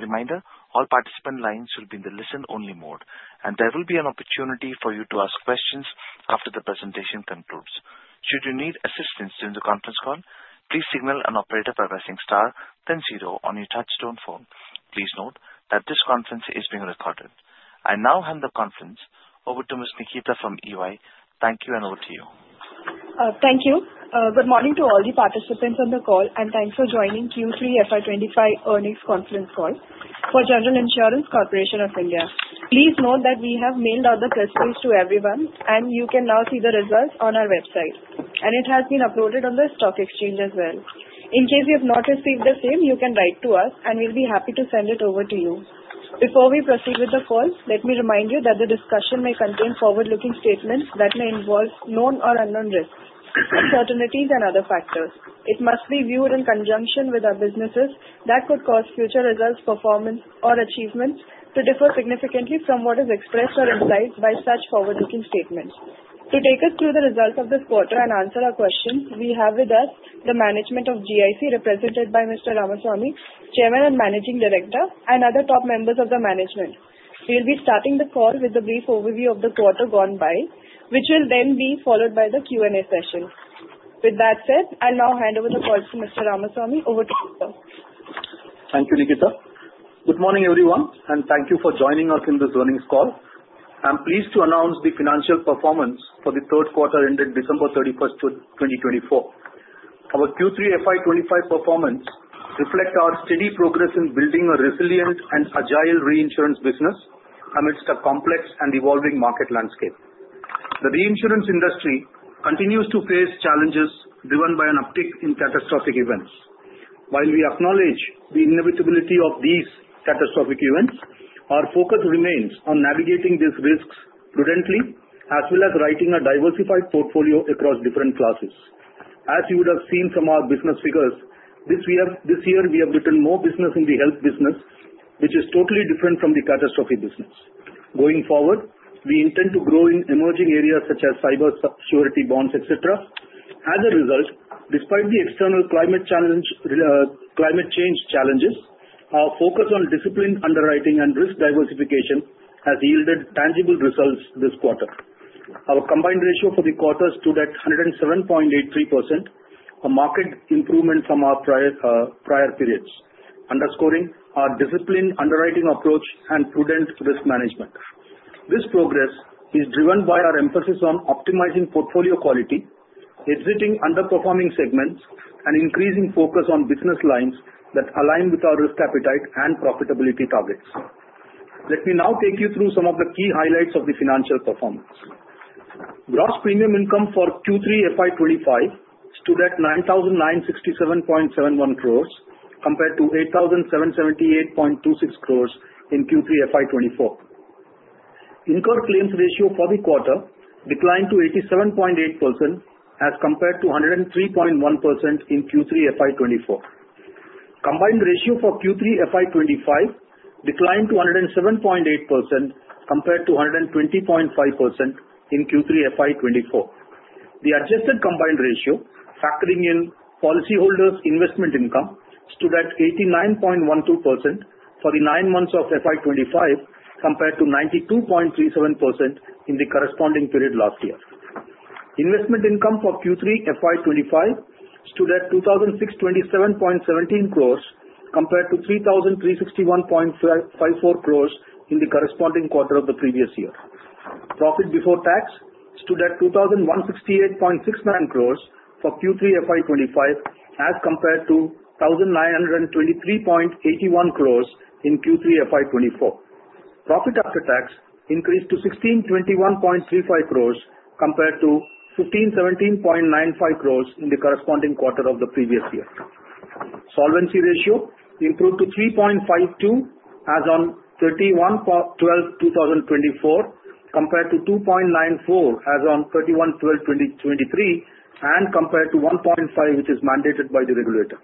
Reminder, all participant lines will be in the listen-only mode, and there will be an opportunity for you to ask questions after the presentation concludes. Should you need assistance during the conference call, please signal an operator by pressing star, then zero on your touch-tone phone. Please note that this conference is being recorded. I now hand the conference over to Ms. Nikita from EY. Thank you and over to you. Thank you. Good morning to all the participants on the call, and thanks for joining Q3 FY 2025 earnings conference call for General Insurance Corporation of India. Please note that we have mailed out the press release to everyone, and you can now see the results` on our website, and it has been uploaded on the stock exchange as well. In case you have not received the same, you can write to us, and we'll be happy to send it over to you. Before we proceed with the call, let me remind you that the discussion may contain forward-looking statements that may involve known or unknown risks, uncertainties, and other factors. It must be viewed in conjunction with our businesses that could cause future results, performance, or achievements to differ significantly from what is expressed or implied by such forward-looking statements. To take us through the results of this quarter and answer our questions, we have with us the management of GIC represented by Mr. Ramaswamy, Chairman and Managing Director, and other top members of the management. We'll be starting the call with a brief overview of the quarter gone by, which will then be followed by the Q&A session. With that said, I'll now hand over the call to Mr. Ramaswamy. Over to you, sir. Thank you, Nikita. Good morning, everyone, and thank you for joining us in this earnings call. I'm pleased to announce the financial performance for the third quarter ended December 31st, 2024. Our Q3 FY 2025 performance reflects our steady progress in building a resilient and agile reinsurance business amidst a complex and evolving market landscape. The reinsurance industry continues to face challenges driven by an uptick in catastrophic events. While we acknowledge the inevitability of these catastrophic events, our focus remains on navigating these risks prudently as well as writing a diversified portfolio across different classes. As you would have seen from our business figures, this year we have written more business in the health business, which is totally different from the catastrophe business. Going forward, we intend to grow in emerging areas such as cybersecurity bonds, etc. As a result, despite the external climate change challenges, our focus on disciplined underwriting and risk diversification has yielded tangible results this quarter. Our combined ratio for the quarter stood at 107.83%, a marked improvement from our prior periods, underscoring our disciplined underwriting approach and prudent risk management. This progress is driven by our emphasis on optimizing portfolio quality, exiting underperforming segments, and increasing focus on business lines that align with our risk appetite and profitability targets. Let me now take you through some of the key highlights of the financial performance. Gross premium income for Q3 FY 2025 stood at 9,967.71 crores compared to 8,778.26 crores in Q3 FY 2024. Incurred claims ratio for the quarter declined to 87.8% as compared to 103.1% in Q3 FY 2024. Combined ratio for Q3 FY 2025 declined to 107.8% compared to 120.5% in Q3 FY 2024. The adjusted combined ratio, factoring in policyholders' investment income, stood at 89.12% for the nine months of FY25 compared to 92.37% in the corresponding period last year. Investment income for Q3 FY 2025 stood at 2,627.17 crores compared to 3,361.54 crores in the corresponding quarter of the previous year. Profit before tax stood at 2,168.69 crores for Q3 FY 2025 as compared to 1,923.81 crores in Q3 FY 2024. Profit after tax increased to 1,621.35 crores compared to 1,517.95 crores in the corresponding quarter of the previous year. Solvency ratio improved to 3.52 as on 31/12/2024 compared to 2.94 as on 31/12/2023 and compared to 1.5, which is mandated by the regulator.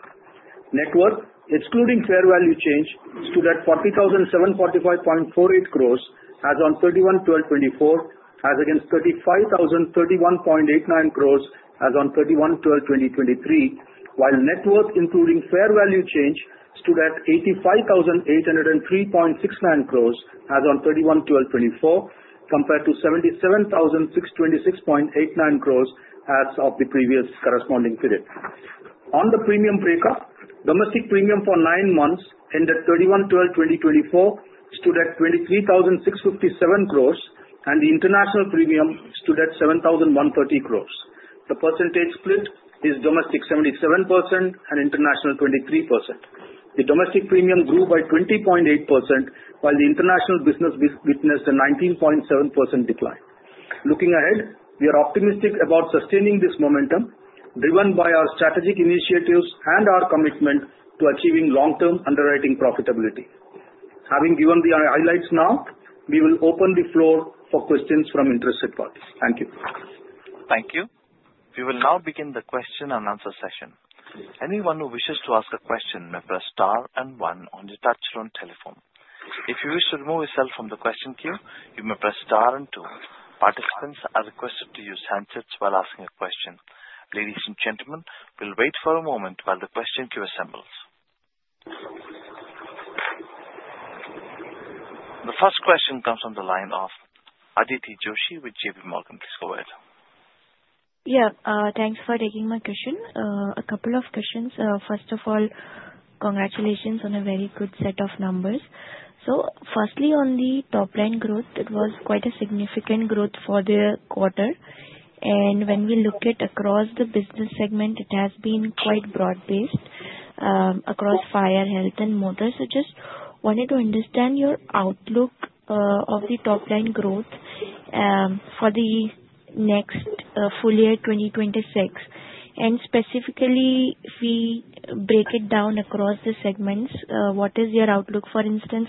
Net worth, excluding fair value change, stood at 40,745.48 crores as on 31/12/2024 as against 35,031.89 crores as on 31/12/2023, while net worth, including fair value change, stood at 85,803.69 crores as on 31/12/2024 compared to 77,626.89 crores as of the previous corresponding period. On the premium breakup, domestic premium for nine months ended 31/12/2024 stood at 23,657 crores, and the international premium stood at 7,130 crores. The percentage split is domestic 77% and international 23%. The domestic premium grew by 20.8%, while the international business witnessed a 19.7% decline. Looking ahead, we are optimistic about sustaining this momentum driven by our strategic initiatives and our commitment to achieving long-term underwriting profitability. Having given the highlights now, we will open the floor for questions from interested parties. Thank you. Thank you. We will now begin the question-and-answer session. Anyone who wishes to ask a question may press star and one on your touch-tone telephone. If you wish to remove yourself from the question queue, you may press star and two. Participants are requested to use handsets while asking a question. Ladies and gentlemen, we'll wait for a moment while the question queue assembles. The first question comes from the line of Aditi Joshi with JP Morgan. Please go ahead. Yeah, thanks for taking my question. A couple of questions. First of all, congratulations on a very good set of numbers. So firstly, on the top-line growth, it was quite a significant growth for the quarter. And when we look across the business segment, it has been quite broad-based across fire, health, and motor. So just wanted to understand your outlook of the top-line growth for the next full year, 2026. And specifically, if we break it down across the segments, what is your outlook? For instance,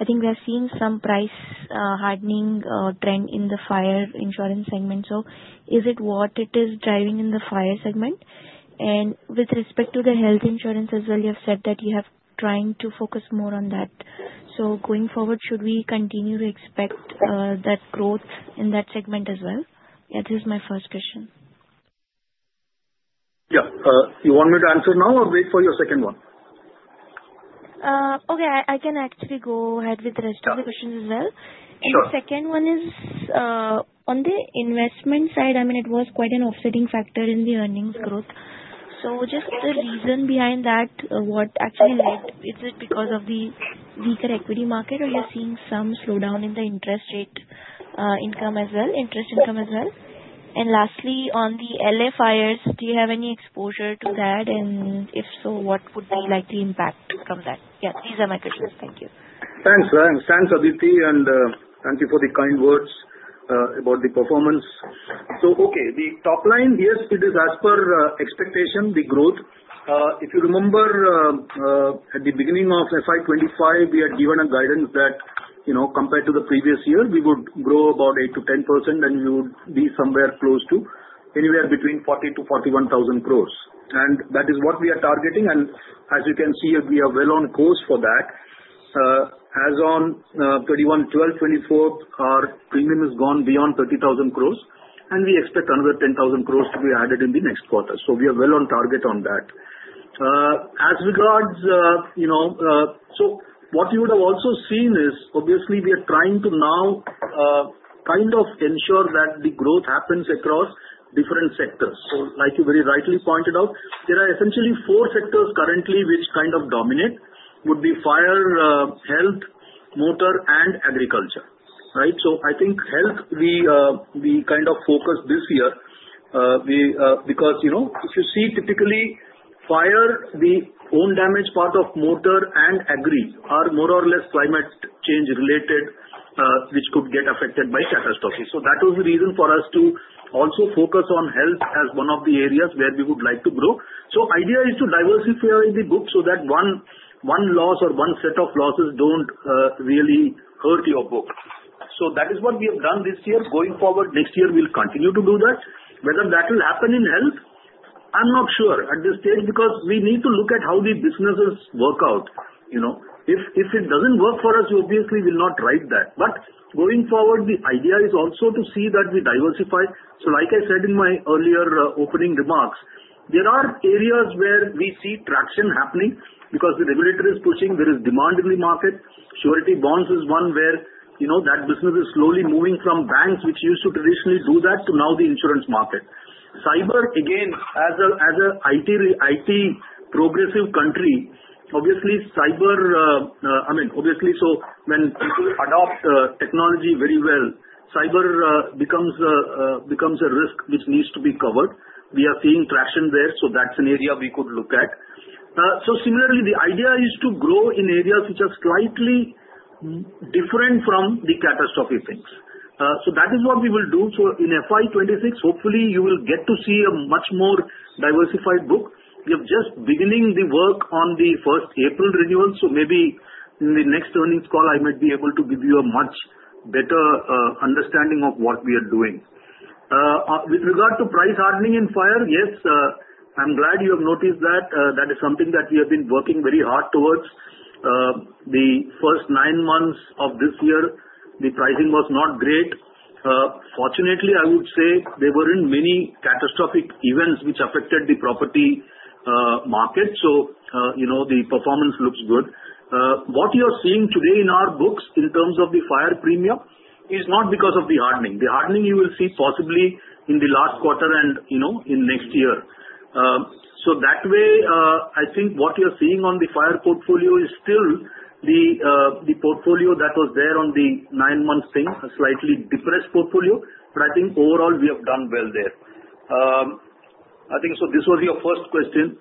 I think we are seeing some price hardening trend in the fire insurance segment. So is that what is driving in the fire segment? And with respect to the health insurance as well, you have said that you have tried to focus more on that. So going forward, should we continue to expect that growth in that segment as well? Yeah, this is my first question. Yeah. You want me to answer now or wait for your second one? Okay. I can actually go ahead with the rest of the questions as well. And the second one is on the investment side. I mean, it was quite an offsetting factor in the earnings growth. So just the reason behind that, what actually led, is it because of the weaker equity market, or you're seeing some slowdown in the interest rate income as well, interest income as well? And lastly, on the L.A. fires, do you have any exposure to that? And if so, what would be the impact from that? Yeah, these are my questions. Thank you. Thanks. Thanks, Aditi, and thank you for the kind words about the performance, so okay, the top line, yes, it is as per expectation, the growth. If you remember, at the beginning of FY 2025, we had given a guidance that compared to the previous year, we would grow about 8%-10%, and we would be somewhere close to anywhere between 40,000-41,000 crores, and that is what we are targeting, and as you can see, we are well on course for that. As on 31/12/2024, our premium has gone beyond 30,000 crores, and we expect another 10,000 crores to be added in the next quarter, so we are well on target on that. As regards to what you would have also seen is, obviously, we are trying to now kind of ensure that the growth happens across different sectors. So like you very rightly pointed out, there are essentially four sectors currently which kind of dominate: would be fire, health, motor, and agriculture, right? So I think health, we kind of focused this year because if you see, typically, fire, the own-damaged part of motor and agri are more or less climate change-related, which could get affected by catastrophe. So that was the reason for us to also focus on health as one of the areas where we would like to grow. So the idea is to diversify the book so that one loss or one set of losses don't really hurt your book. So that is what we have done this year. Going forward, next year, we'll continue to do that. Whether that will happen in health, I'm not sure at this stage because we need to look at how the businesses work out. If it doesn't work for us, we obviously will not write that. But going forward, the idea is also to see that we diversify. So like I said in my earlier opening remarks, there are areas where we see traction happening because the regulator is pushing. There is demand in the market. Surety bonds is one where that business is slowly moving from banks, which used to traditionally do that, to now the insurance market. Cyber, again, as an IT-progressive country, obviously, cyber, I mean, obviously, so when people adopt technology very well, cyber becomes a risk which needs to be covered. We are seeing traction there. So that's an area we could look at. So similarly, the idea is to grow in areas which are slightly different from the catastrophe things. So that is what we will do. So in FY 2026, hopefully, you will get to see a much more diversified book. We are just beginning the work on the first April renewal. So maybe in the next earnings call, I might be able to give you a much better understanding of what we are doing. With regard to price hardening in fire, yes, I'm glad you have noticed that. That is something that we have been working very hard towards. The first nine months of this year, the pricing was not great. Fortunately, I would say there weren't many catastrophic events which affected the property market. So the performance looks good. What you are seeing today in our books in terms of the fire premium is not because of the hardening. The hardening you will see possibly in the last quarter and in next year. That way, I think what you're seeing on the fire portfolio is still the portfolio that was there on the nine-month thing, a slightly depressed portfolio. But I think overall, we have done well there. I think so this was your first question.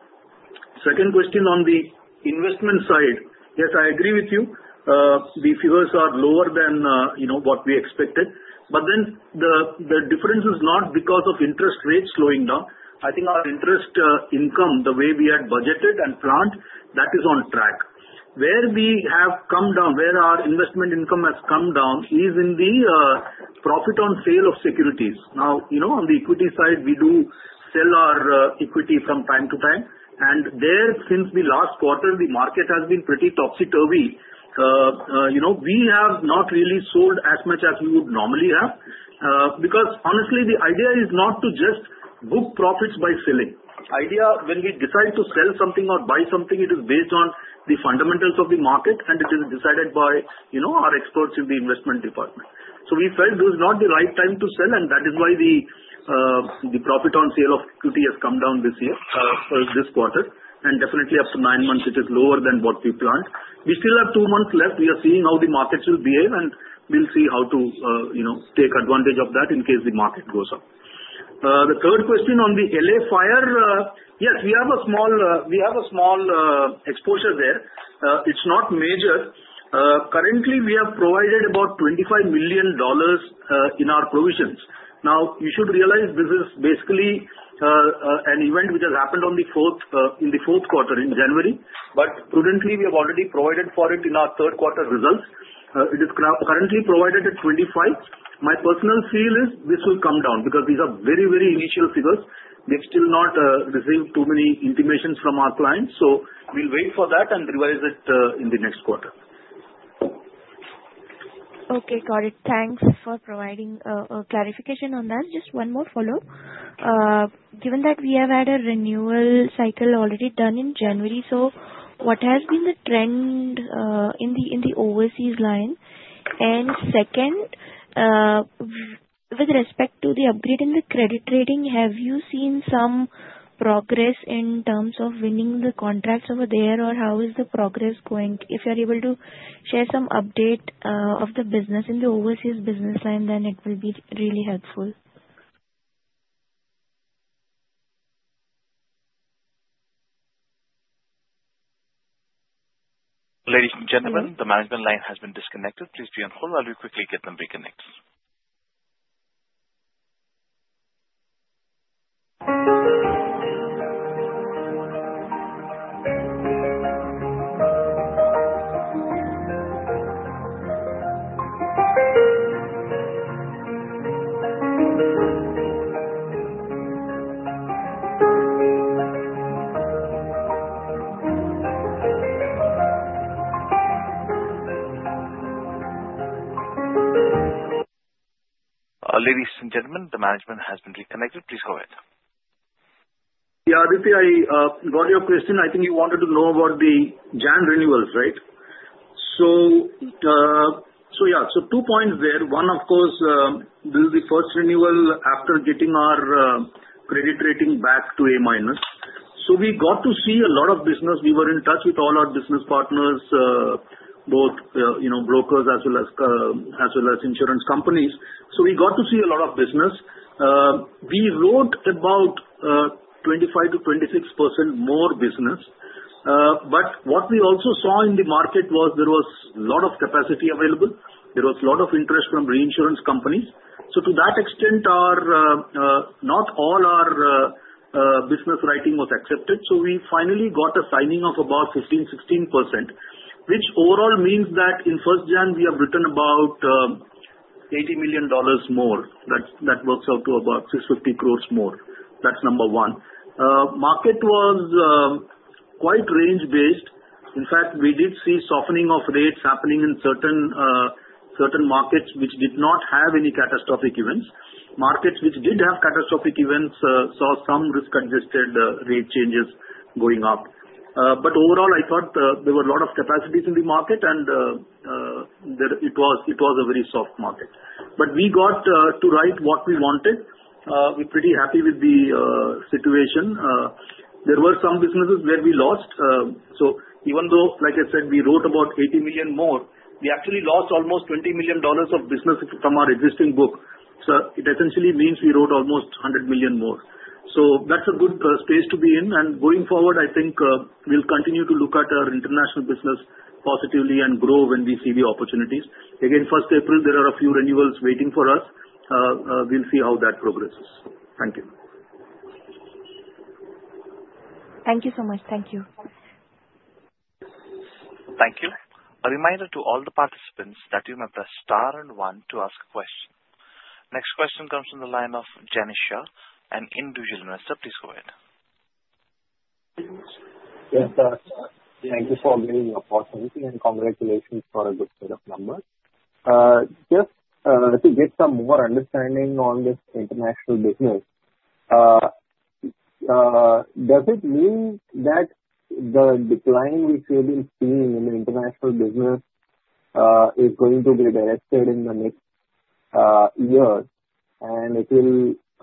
Second question on the investment side, yes, I agree with you. The figures are lower than what we expected. But then the difference is not because of interest rates slowing down. I think our interest income, the way we had budgeted and planned, that is on track. Where we have come down, where our investment income has come down, is in the profit on sale of securities. Now, on the equity side, we do sell our equity from time to time. And there, since the last quarter, the market has been pretty toxic-heavy. We have not really sold as much as we would normally have because, honestly, the idea is not to just book profits by selling. The idea, when we decide to sell something or buy something, it is based on the fundamentals of the market, and it is decided by our experts in the investment department. So we felt it was not the right time to sell, and that is why the profit on sale of equity has come down this year, this quarter. And definitely, after nine months, it is lower than what we planned. We still have two months left. We are seeing how the markets will behave, and we'll see how to take advantage of that in case the market goes up. The third question on the L.A. fires, yes, we have a small exposure there. It's not major. Currently, we have provided about $25 million in our provisions. Now, you should realize this is basically an event which has happened in the fourth quarter in January. But prudently, we have already provided for it in our third-quarter results. It is currently provided at 25. My personal feel is this will come down because these are very, very initial figures. We have still not received too many intimations from our clients. So we'll wait for that and revise it in the next quarter. Okay. Got it. Thanks for providing a clarification on that. Just one more follow-up. Given that we have had a renewal cycle already done in January, so what has been the trend in the overseas line? And second, with respect to the upgrade in the credit rating, have you seen some progress in terms of winning the contracts over there, or how is the progress going? If you're able to share some update of the business in the overseas business line, then it will be really helpful. Ladies and gentlemen, the management line has been disconnected. Please be on hold while we quickly get them reconnected. Ladies and gentlemen, the management has been reconnected. Please go ahead. Yeah, Aditi, I got your question. I think you wanted to know about the January renewals, right? So yeah, so two points there. One, of course, this is the first renewal after getting our credit rating back to A-. So we got to see a lot of business. We were in touch with all our business partners, both brokers as well as insurance companies. So we got to see a lot of business. We wrote about 25%-26% more business. But what we also saw in the market was there was a lot of capacity available. There was a lot of interest from reinsurance companies. So to that extent, not all our business writing was accepted. So we finally got a signing of about 15%-16%, which overall means that in first January, we have written about $80 million more. That works out to about 650 crores more. That's number one. The market was quite range-bound. In fact, we did see softening of rates happening in certain markets which did not have any catastrophic events. Markets which did have catastrophic events saw some risk-adjusted rate changes going up. But overall, I thought there were a lot of capacities in the market, and it was a very soft market. But we got to write what we wanted. We're pretty happy with the situation. There were some businesses where we lost. So even though, like I said, we wrote about $80 million more, we actually lost almost $20 million of business from our existing book. So it essentially means we wrote almost $100 million more. So that's a good space to be in. Going forward, I think we'll continue to look at our international business positively and grow when we see the opportunities. Again, first April, there are a few renewals waiting for us. We'll see how that progresses. Thank you. Thank you so much. Thank you. Thank you. A reminder to all the participants that you may press star and one to ask a question. Next question comes from the line of Jenny Shah, an individual investor. Please go ahead. Yes, thank you for giving me the opportunity and congratulations for a good set of numbers. Just to get some more understanding on this international business, does it mean that the decline we've been seeing in the international business is going to be directed in the next year and it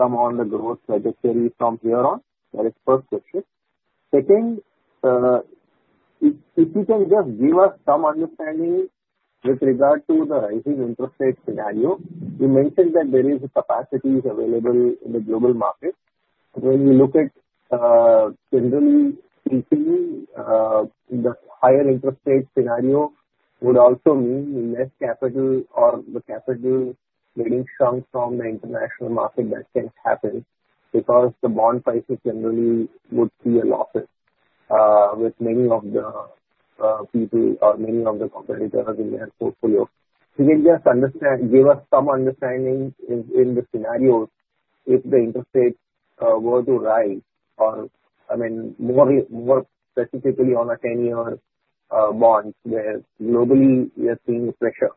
will come on the growth trajectory from here on? That is first question. Second, if you can just give us some understanding with regard to the rising interest rate scenario? You mentioned that there is capacity available in the global market. When you look at, generally speaking, the higher interest rate scenario would also mean less capital or the capital getting shrunk from the international market. That can happen because the bond prices generally would see a loss with many of the people or many of the competitors in their portfolio. So you can just give us some understanding in the scenario if the interest rates were to rise or, I mean, more specifically on a 10-year bond where globally we are seeing pressure.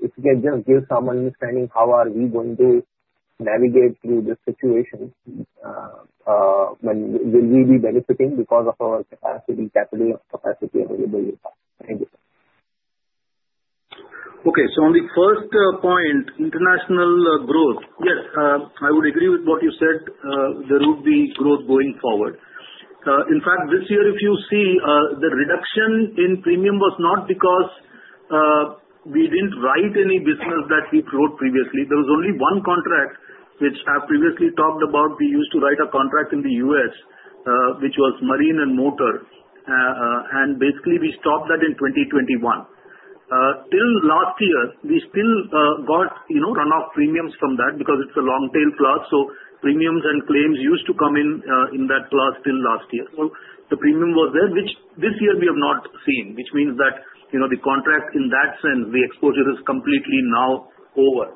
If you can just give some understanding, how are we going to navigate through this situation? Will we be benefiting because of our capacity, capital capacity available? Thank you. Okay. So on the first point, international growth, yes, I would agree with what you said. There will be growth going forward. In fact, this year, if you see the reduction in premium, it was not because we didn't write any business that we wrote previously. There was only one contract which I've previously talked about. We used to write a contract in the U.S., which was Marine and Motor. And basically, we stopped that in 2021. Till last year, we still got runoff premiums from that because it's a long-tail book. So premiums and claims used to come in that book till last year. So the premium was there, which this year we have not seen, which means that the contract in that sense, the exposure is completely now over.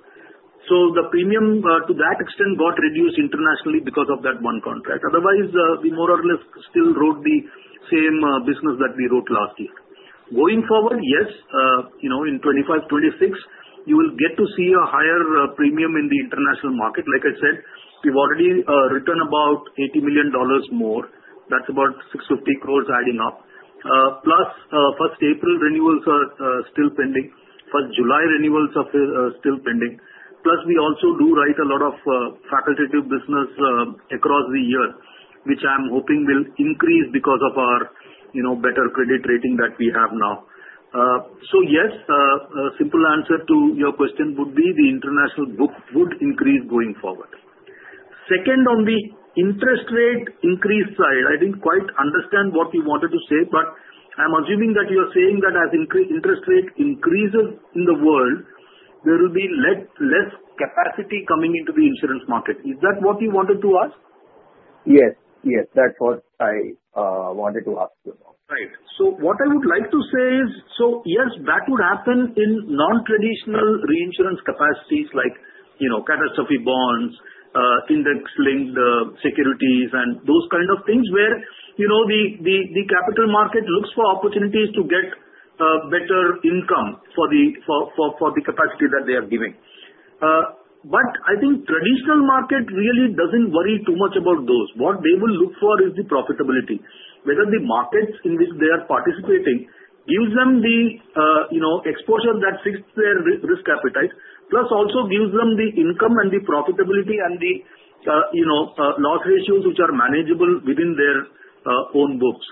So the premium to that extent got reduced internationally because of that one contract. Otherwise, we more or less still wrote the same business that we wrote last year. Going forward, yes, in 2025, 2026, you will get to see a higher premium in the international market. Like I said, we've already returned about $80 million more. That's about 650 crores adding up. Plus, first April renewals are still pending. First July renewals are still pending. Plus, we also do write a lot of facultative business across the year, which I'm hoping will increase because of our better credit rating that we have now. So yes, a simple answer to your question would be the international book would increase going forward. Second, on the interest rate increase side, I didn't quite understand what you wanted to say, but I'm assuming that you are saying that as interest rate increases in the world, there will be less capacity coming into the insurance market. Is that what you wanted to ask? Yes. Yes. That's what I wanted to ask you about. Right. So what I would like to say is, so yes, that would happen in non-traditional reinsurance capacities like catastrophe bonds, index-linked securities, and those kind of things where the capital market looks for opportunities to get better income for the capacity that they are giving. But I think traditional market really doesn't worry too much about those. What they will look for is the profitability, whether the markets in which they are participating gives them the exposure that fits their risk appetite, plus also gives them the income and the profitability and the loss ratios which are manageable within their own books.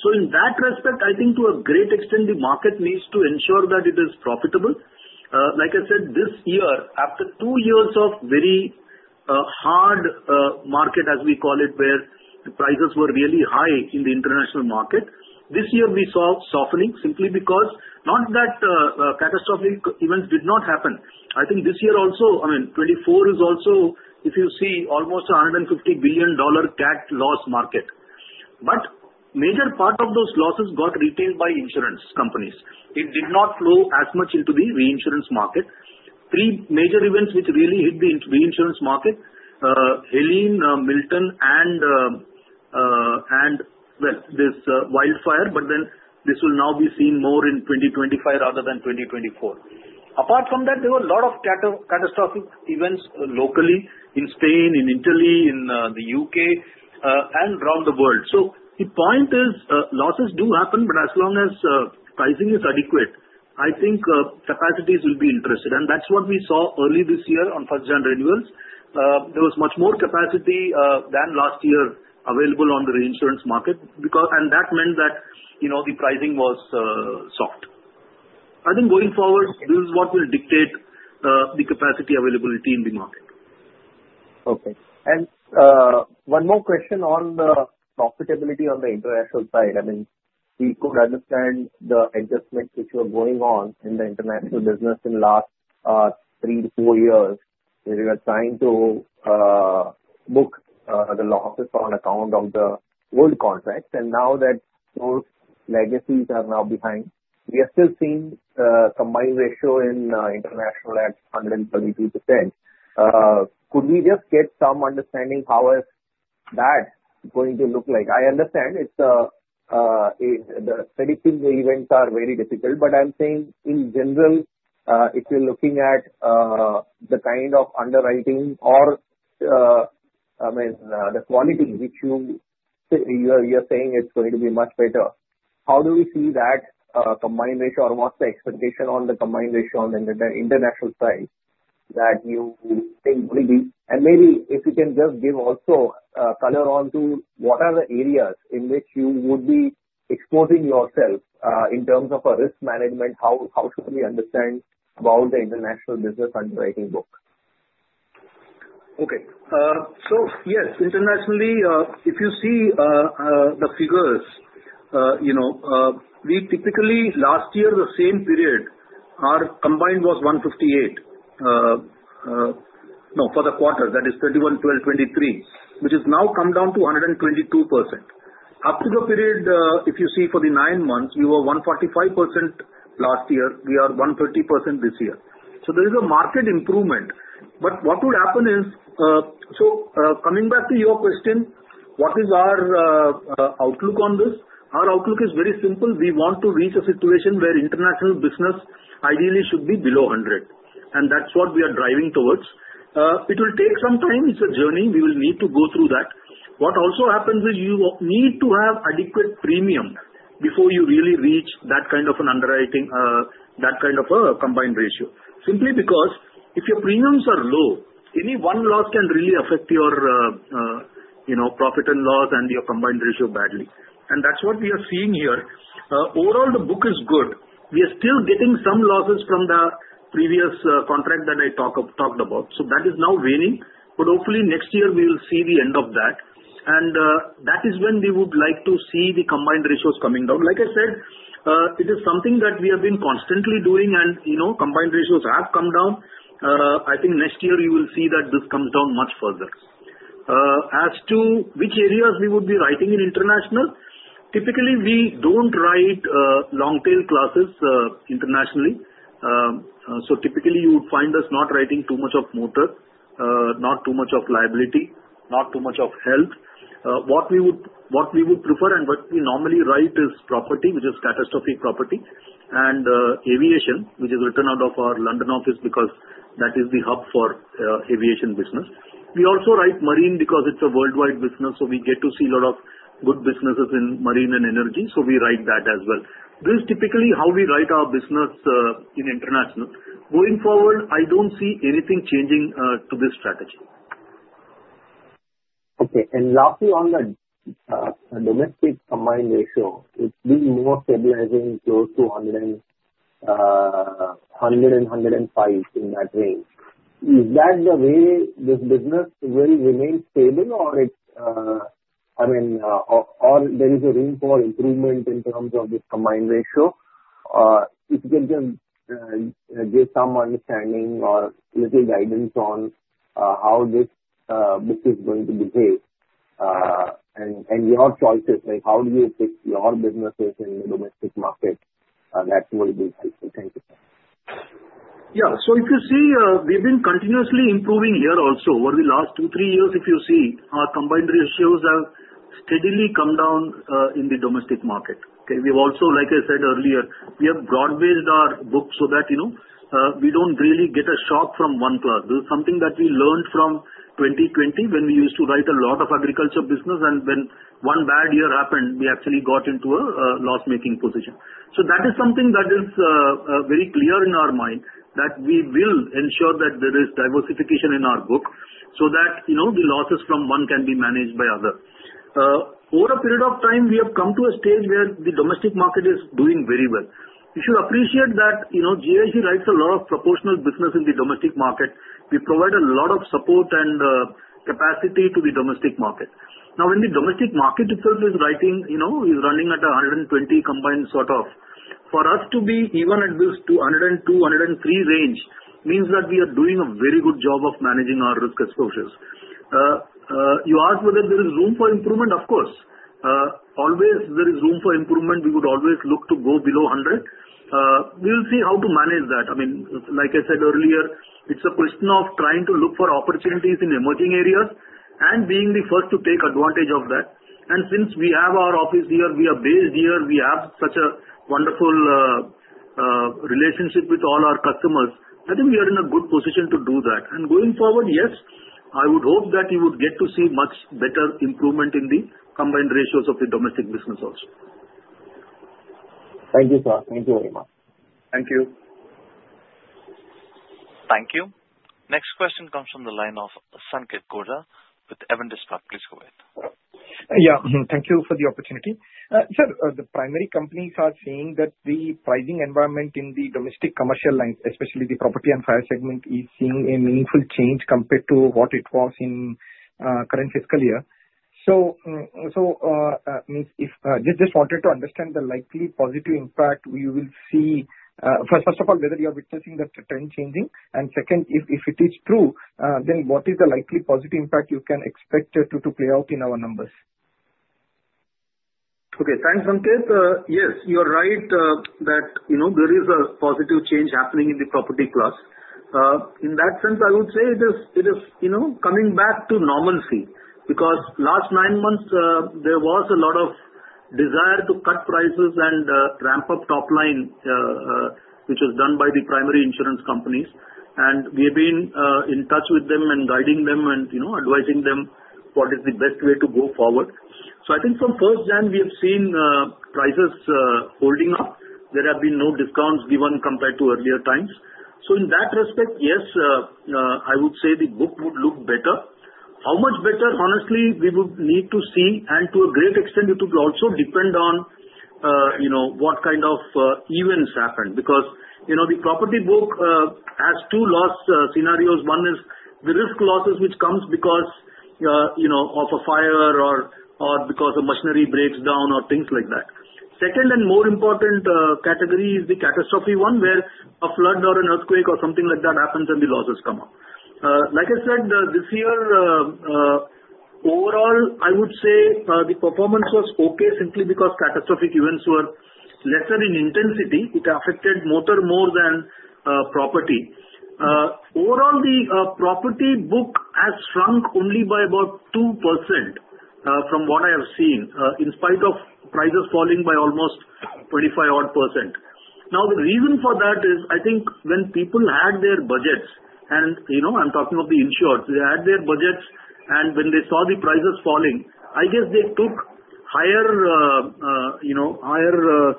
So in that respect, I think to a great extent, the market needs to ensure that it is profitable. Like I said, this year, after two years of very hard market, as we call it, where the prices were really high in the international market, this year we saw softening simply because not that catastrophic events did not happen. I think this year also, I mean, 2024 is also, if you see, almost $150 billion cat loss market. But major part of those losses got retained by insurance companies. It did not flow as much into the reinsurance market. Three major events which really hit the reinsurance market: Helene Milton and, well, this wildfire, but then this will now be seen more in 2025 rather than 2024. Apart from that, there were a lot of catastrophic events locally in Spain, in Italy, in the U.K., and around the world. So the point is losses do happen, but as long as pricing is adequate, I think capacities will be interested. That's what we saw early this year on first-gen renewals. There was much more capacity than last year available on the reinsurance market, and that meant that the pricing was soft. I think going forward, this is what will dictate the capacity availability in the market. Okay. And one more question on the profitability on the international side. I mean, we could understand the adjustments which were going on in the international business in the last three to four years where we were trying to book the losses on account of the old contracts. And now that those legacies are now behind, we are still seeing a combined ratio in international at 132%. Could we just get some understanding how is that going to look like? I understand the predicting events are very difficult, but I'm saying in general, if you're looking at the kind of underwriting or, I mean, the quality which you're saying it's going to be much better, how do we see that combined ratio or what's the expectation on the combined ratio on the international side that you think will be? Maybe if you can just give also color onto what are the areas in which you would be exposing yourself in terms of risk management, how should we understand about the international business underwriting book? Okay. So yes, internationally, if you see the figures, we typically last year, the same period, our combined was 158%. No, for the quarter, that is 31/12/2023, which has now come down to 122%. Up to the period, if you see for the nine months, we were 145% last year. We are 130% this year. So there is a market improvement. But what will happen is, so coming back to your question, what is our outlook on this? Our outlook is very simple. We want to reach a situation where international business ideally should be below 100%. And that's what we are driving towards. It will take some time. It's a journey. We will need to go through that. What also happens is you need to have adequate premium before you really reach that kind of an underwriting, that kind of a combined ratio. Simply because if your premiums are low, any one loss can really affect your profit and loss and your combined ratio badly. And that's what we are seeing here. Overall, the book is good. We are still getting some losses from the previous contract that I talked about. So that is now waning. But hopefully, next year, we will see the end of that. And that is when we would like to see the combined ratios coming down. Like I said, it is something that we have been constantly doing, and combined ratios have come down. I think next year, you will see that this comes down much further. As to which areas we would be writing in international, typically, we don't write long-tail classes internationally. So typically, you would find us not writing too much of motor, not too much of liability, not too much of health. What we would prefer and what we normally write is property, which is catastrophic property, and aviation, which is written out of our London office because that is the hub for aviation business. We also write marine because it's a worldwide business. So we get to see a lot of good businesses in marine and energy. So we write that as well. This is typically how we write our business in international. Going forward, I don't see anything changing to this strategy. Okay. And lastly, on the domestic combined ratio, it's been more stabilizing close to 100%-105% in that range. Is that the way this business will remain stable, or I mean, or there is a room for improvement in terms of this combined ratio? If you can just give some understanding or little guidance on how this book is going to behave and your choices, how do you pick your businesses in the domestic market, that will be helpful. Thank you. Yeah. So if you see, we've been continuously improving here also over the last two, three years. If you see, our combined ratios have steadily come down in the domestic market. Okay. We've also, like I said earlier, we have broad-based our book so that we don't really get a shock from one plot. This is something that we learned from 2020 when we used to write a lot of agriculture business. And when one bad year happened, we actually got into a loss-making position. So that is something that is very clear in our mind that we will ensure that there is diversification in our book so that the losses from one can be managed by others. Over a period of time, we have come to a stage where the domestic market is doing very well. You should appreciate that GIC writes a lot of proportional business in the domestic market. We provide a lot of support and capacity to the domestic market. Now, when the domestic market itself is running at 120% combined sort of, for us to be even at this 102-103 range means that we are doing a very good job of managing our risk exposures. You ask whether there is room for improvement? Of course. Always, there is room for improvement. We would always look to go below 100%. We will see how to manage that. I mean, like I said earlier, it's a question of trying to look for opportunities in emerging areas and being the first to take advantage of that. Since we have our office here, we are based here, we have such a wonderful relationship with all our customers, I think we are in a good position to do that. Going forward, yes, I would hope that you would get to see much better improvement in the combined ratios of the domestic business also. Thank you, sir. Thank you very much. Thank you. Thank you. Next question comes from the line of Sanketh Godha with Avendus Spark. Please go ahead. Yeah. Thank you for the opportunity. Sir, the primary companies are saying that the pricing environment in the domestic commercial lines, especially the property and fire segment, is seeing a meaningful change compared to what it was in current fiscal year. So just wanted to understand the likely positive impact we will see. First of all, whether you are witnessing that trend changing. And second, if it is true, then what is the likely positive impact you can expect to play out in our numbers? Okay. Thanks, Sanketh. Yes, you're right that there is a positive change happening in the property class. In that sense, I would say it is coming back to normalcy because last nine months, there was a lot of desire to cut prices and ramp up top line, which was done by the primary insurance companies. And we have been in touch with them and guiding them and advising them what is the best way to go forward. So I think from 1st-gen, we have seen prices holding up. There have been no discounts given compared to earlier times. So in that respect, yes, I would say the book would look better. How much better, honestly, we would need to see. And to a great extent, it would also depend on what kind of events happen because the property book has two loss scenarios. One is the risk losses which come because of a fire or because a machinery breaks down or things like that. Second, and more important category is the catastrophe one where a flood or an earthquake or something like that happens and the losses come up. Like I said, this year, overall, I would say the performance was okay simply because catastrophic events were lesser in intensity. It affected motor more than property. Overall, the property book has shrunk only by about 2% from what I have seen in spite of prices falling by almost 25% odd. Now, the reason for that is I think when people had their budgets, and I'm talking of the insured, they had their budgets, and when they saw the prices falling, I guess they took higher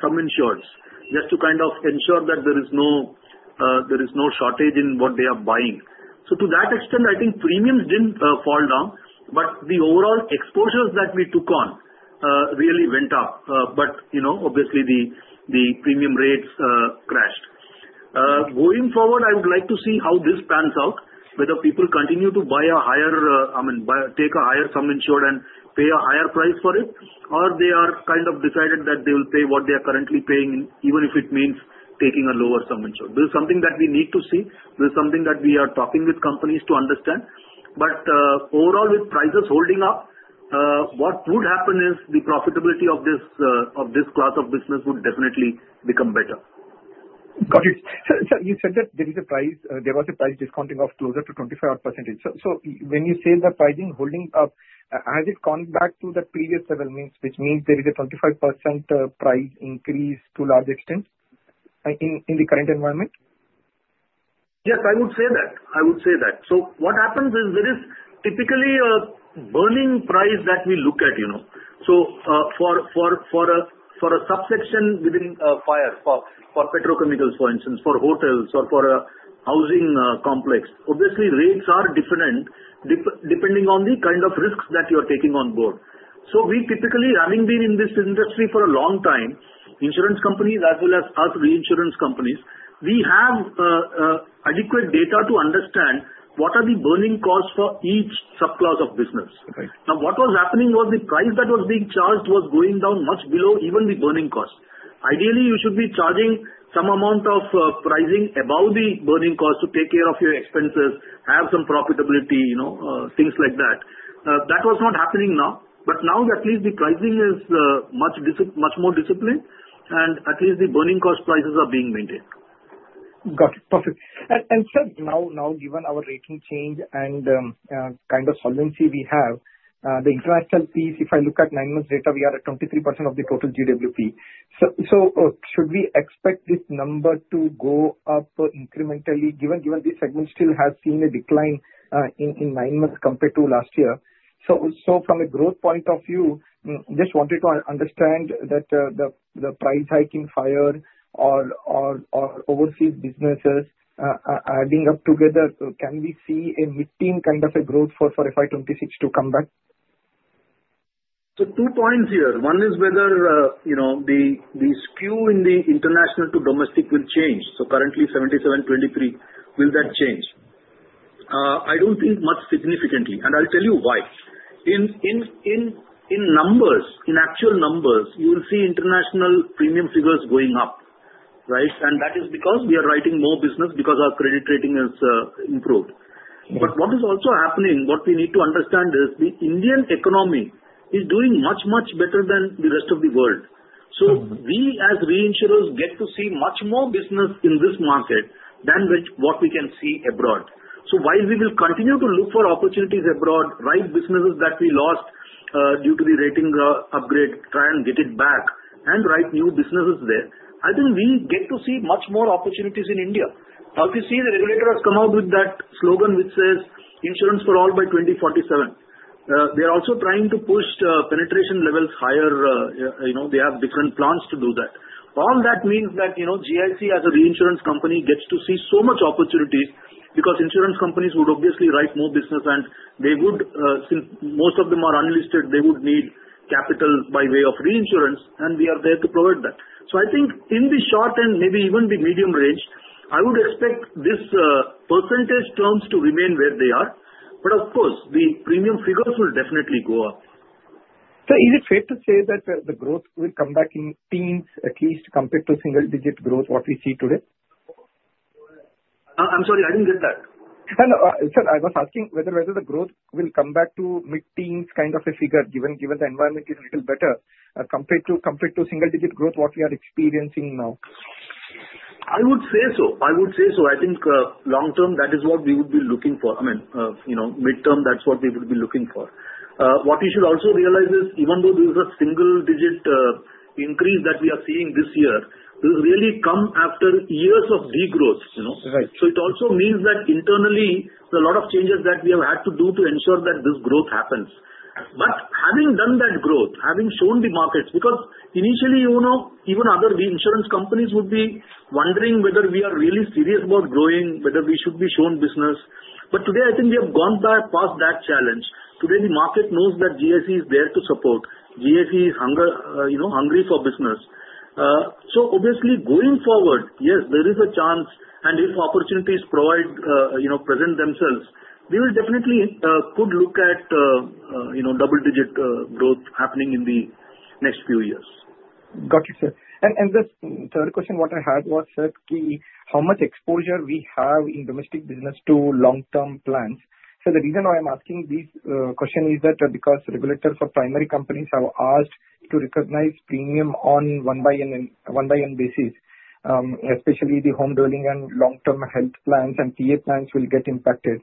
sum insurance just to kind of ensure that there is no shortage in what they are buying. So to that extent, I think premiums didn't fall down, but the overall exposures that we took on really went up. But obviously, the premium rates crashed. Going forward, I would like to see how this pans out, whether people continue to buy a higher, I mean, take a higher sum insured and pay a higher price for it, or they are kind of decided that they will pay what they are currently paying, even if it means taking a lower sum insured. This is something that we need to see. This is something that we are talking with companies to understand. But overall, with prices holding up, what would happen is the profitability of this class of business would definitely become better. Got it. So you said that there was a price discounting of closer to 25% odd. So when you say the pricing holding up, has it gone back to the previous level, which means there is a 25% price increase to a large extent in the current environment? Yes, I would say that. I would say that. So what happens is there is typically a burning cost that we look at. So for a subsection within fire, for petrochemicals, for instance, for hotels or for a housing complex, obviously, rates are different depending on the kind of risks that you are taking on board. So we typically, having been in this industry for a long time, insurance companies as well as us reinsurance companies, we have adequate data to understand what are the burning costs for each subclass of business. Now, what was happening was the price that was being charged was going down much below even the burning cost. Ideally, you should be charging some amount of pricing above the burning cost to take care of your expenses, have some profitability, things like that. That was not happening. Now, at least the pricing is much more disciplined, and at least the burning cost prices are being maintained. Got it. Perfect. And sir, now, given our rating change and kind of solvency we have, the international piece, if I look at nine months' data, we are at 23% of the total GWP. So should we expect this number to go up incrementally given these segments still have seen a decline in nine months compared to last year? So from a growth point of view, just wanted to understand that the price hike in fire or overseas businesses adding up together, can we see a mitigating kind of a growth for FY 2026 to come back? So two points here. One is whether the skew in the international to domestic will change. So currently, 77/23, will that change? I don't think much significantly. And I'll tell you why. In numbers, in actual numbers, you will see international premium figures going up, right? And that is because we are writing more business because our credit rating has improved. But what is also happening, what we need to understand is the Indian economy is doing much, much better than the rest of the world. So we, as reinsurers, get to see much more business in this market than what we can see abroad. So while we will continue to look for opportunities abroad, write businesses that we lost due to the rating upgrade, try and get it back, and write new businesses there, I think we get to see much more opportunities in India. As you see, the regulator has come out with that slogan which says, "Insurance for all by 2047." They're also trying to push penetration levels higher. They have different plans to do that. All that means that GIC, as a reinsurance company, gets to see so much opportunity because insurance companies would obviously write more business, and they would, since most of them are unlisted, they would need capital by way of reinsurance, and we are there to provide that. So I think in the short and maybe even the medium range, I would expect these percentage terms to remain where they are. But of course, the premium figures will definitely go up. Sir, is it fair to say that the growth will come back in teens, at least compared to single-digit growth, what we see today? I'm sorry, I didn't get that. Sir, I was asking whether the growth will come back to mid-teens kind of a figure given the environment is a little better compared to single-digit growth, what we are experiencing now. I would say so. I would say so. I think long-term, that is what we would be looking for. I mean, mid-term, that's what we would be looking for. What you should also realize is, even though there is a single-digit increase that we are seeing this year, this really comes after years of degrowth. So it also means that internally, there are a lot of changes that we have had to do to ensure that this growth happens. But having done that growth, having shown the markets, because initially, even other reinsurance companies would be wondering whether we are really serious about growing, whether we should be shown business. But today, I think we have gone past that challenge. Today, the market knows that GIC is there to support. GIC is hungry for business. So obviously, going forward, yes, there is a chance. And if opportunities present themselves, we will definitely could look at double-digit growth happening in the next few years. Got it, sir. And the third question what I had was, sir, how much exposure we have in domestic business to long-term plans? So the reason why I'm asking this question is that because regulators for primary companies have asked to recognize premium on a one-by-one basis, especially the home dwelling and long-term health plans and PA plans will get impacted.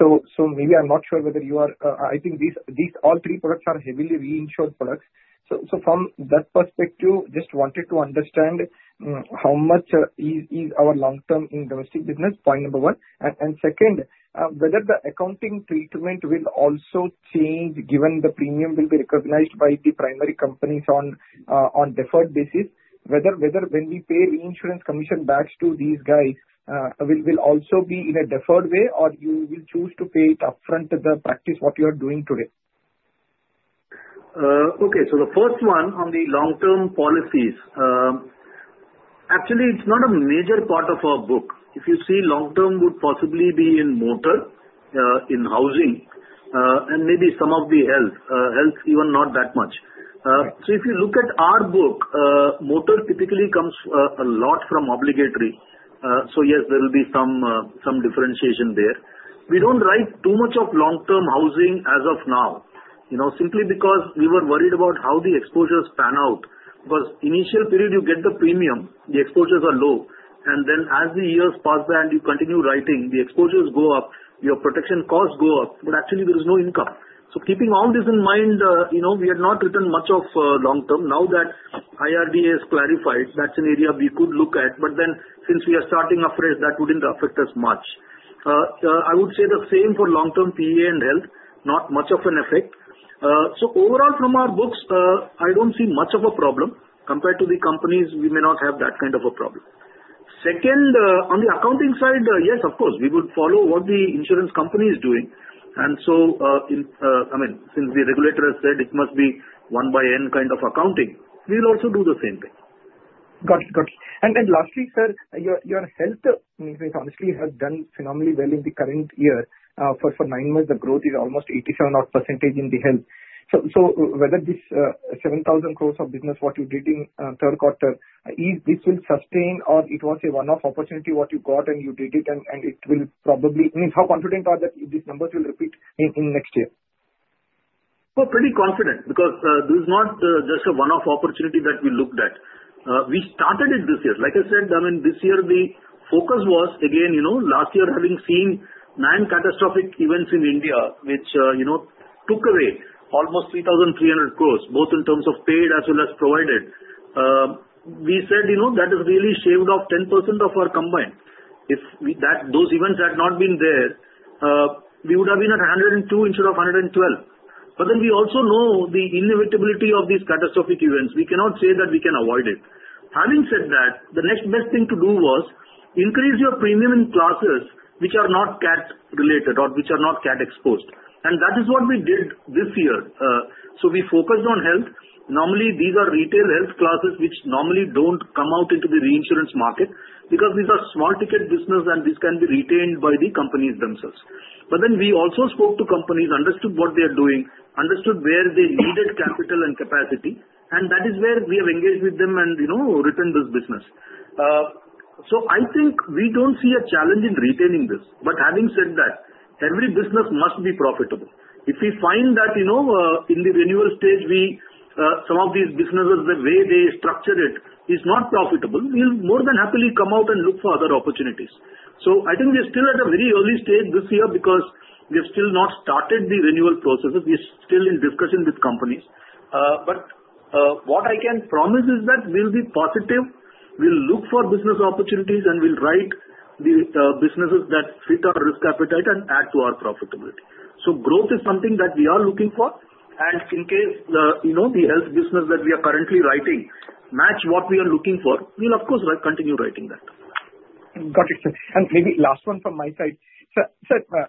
So maybe I'm not sure whether you are I think these all three products are heavily reinsured products. So from that perspective, just wanted to understand how much is our long-term in domestic business, point number one. And second, whether the accounting treatment will also change given the premium will be recognized by the primary companies on a deferred basis, whether when we pay reinsurance commission back to these guys, will also be in a deferred way, or you will choose to pay it upfront to practice what you are doing today? Okay. So the first one on the long-term policies, actually, it's not a major part of our book. If you see, long-term would possibly be in motor, in housing, and maybe some of the health, health even not that much. So if you look at our book, motor typically comes a lot from obligatory. So yes, there will be some differentiation there. We don't write too much of long-term housing as of now, simply because we were worried about how the exposures pan out. Because initial period, you get the premium, the exposures are low. And then as the years pass by and you continue writing, the exposures go up, your protection costs go up, but actually, there is no income. So keeping all this in mind, we have not written much of long-term. Now that IRDA has clarified, that's an area we could look at. But then since we are starting afresh, that wouldn't affect us much. I would say the same for long-term PA and health, not much of an effect. So overall, from our books, I don't see much of a problem. Compared to the companies, we may not have that kind of a problem. Second, on the accounting side, yes, of course, we would follow what the insurance company is doing. And so, I mean, since the regulator has said it must be one-by-one kind of accounting, we will also do the same thing. Got it. Got it. And lastly, sir, your health, honestly, has done phenomenally well in the current year. For nine months, the growth is almost 87% odd in the health. So whether this 7,000 crores of business, what you did in third quarter, this will sustain or it was a one-off opportunity what you got and you did it, and it will probably mean how confident are you that these numbers will repeat in next year? Well, pretty confident because this is not just a one-off opportunity that we looked at. We started it this year. Like I said, I mean, this year, the focus was, again, last year, having seen nine catastrophic events in India, which took away almost 3,300 crores, both in terms of paid as well as provided. We said that has really shaved off 10% of our combine. If those events had not been there, we would have been at 102 instead of 112, but then we also know the inevitability of these catastrophic events. We cannot say that we can avoid it. Having said that, the next best thing to do was increase your premium in classes which are not CAT-related or which are not CAT-exposed, and that is what we did this year, so we focused on health. Normally, these are retail health classes which normally don't come out into the reinsurance market because these are small-ticket business and these can be retained by the companies themselves. But then we also spoke to companies, understood what they are doing, understood where they needed capital and capacity. And that is where we have engaged with them and returned this business. So I think we don't see a challenge in retaining this. But having said that, every business must be profitable. If we find that in the renewal stage, some of these businesses, the way they structure it, is not profitable, we'll more than happily come out and look for other opportunities. So I think we're still at a very early stage this year because we have still not started the renewal processes. We're still in discussion with companies. But what I can promise is that we'll be positive, we'll look for business opportunities, and we'll write the businesses that fit our risk appetite and add to our profitability. So growth is something that we are looking for. In case the health business that we are currently writing matches what we are looking for, we'll, of course, continue writing that. Got it, sir. And maybe last one from my side. Sir,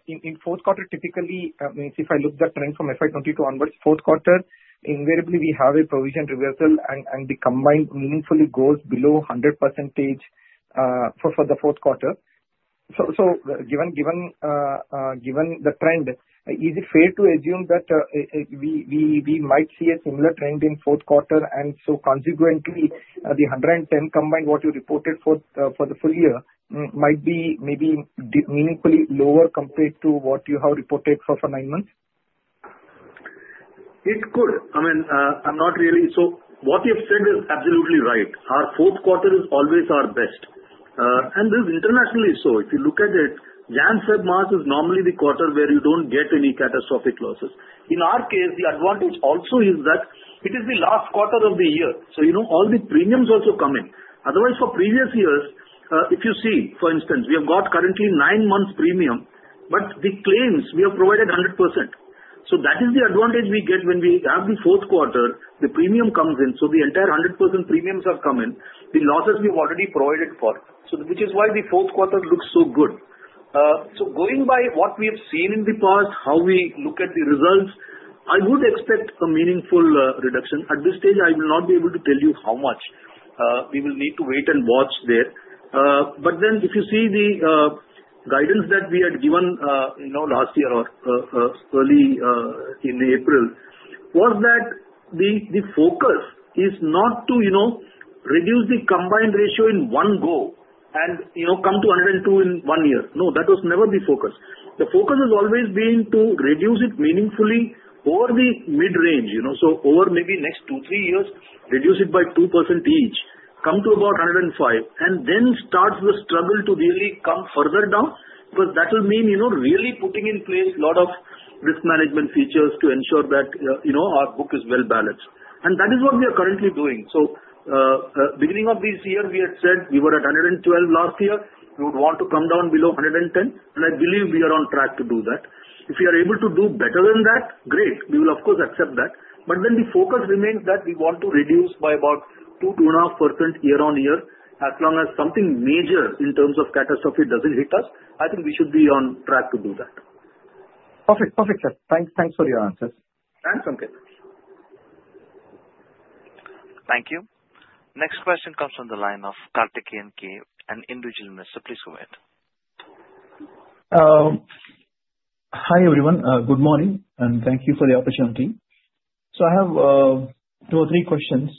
in fourth quarter, typically, if I look at the trend from FY 2022 onwards, fourth quarter, invariably, we have a provision reversal, and the combined ratio meaningfully goes below 100% for the fourth quarter. So given the trend, is it fair to assume that we might see a similar trend in fourth quarter? And so consequently, the 110% combined ratio what you reported for the full year might be maybe meaningfully lower compared to what you have reported for nine months? It could. I mean, I'm not really so what you've said is absolutely right. Our fourth quarter is always our best. And this is internationally so. If you look at it, January-February-March is normally the quarter where you don't get any catastrophic losses. In our case, the advantage also is that it is the last quarter of the year. So all the premiums also come in. Otherwise, for previous years, if you see, for instance, we have got currently nine months' premium, but the claims we have provided 100%. So that is the advantage we get when we have the fourth quarter, the premium comes in. So the entire 100% premiums have come in, the losses we've already provided for, which is why the fourth quarter looks so good. So going by what we have seen in the past, how we look at the results, I would expect a meaningful reduction. At this stage, I will not be able to tell you how much. We will need to wait and watch there. But then if you see the guidance that we had given last year or early in April, was that the focus is not to reduce the combined ratio in one go and come to 102 in one year. No, that was never the focus. The focus has always been to reduce it meaningfully over the mid-range. So over maybe next two, three years, reduce it by 2% each, come to about 105, and then start the struggle to really come further down. Because that will mean really putting in place a lot of risk management features to ensure that our book is well balanced. And that is what we are currently doing. So beginning of this year, we had said we were at 112 last year. We would want to come down below 110. And I believe we are on track to do that. If we are able to do better than that, great. We will, of course, accept that. But then the focus remains that we want to reduce by about 2-2.5% year-on-year. As long as something major in terms of catastrophe doesn't hit us, I think we should be on track to do that. Perfect. Perfect, sir. Thanks for your answers. Thanks, Sanketh. Thank you. Next question comes from the line of Karthikeyan K., an individual investor Please go ahead. Hi everyone. Good morning. And thank you for the opportunity. So I have two or three questions.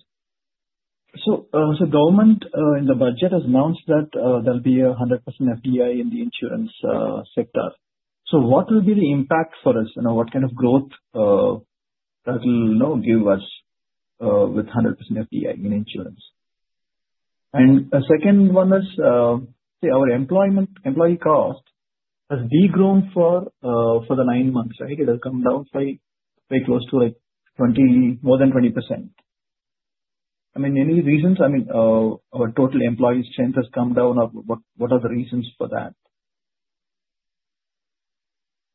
So the government in the budget has announced that there'll be a 100% FDI in the insurance sector. So what will be the impact for us? What kind of growth that will give us with 100% FDI in insurance? And a second one is, say, our employee cost has degrown for the nine months, right? It has come down by close to more than 20%. I mean, any reasons? I mean, our total employees' strength has come down. What are the reasons for that?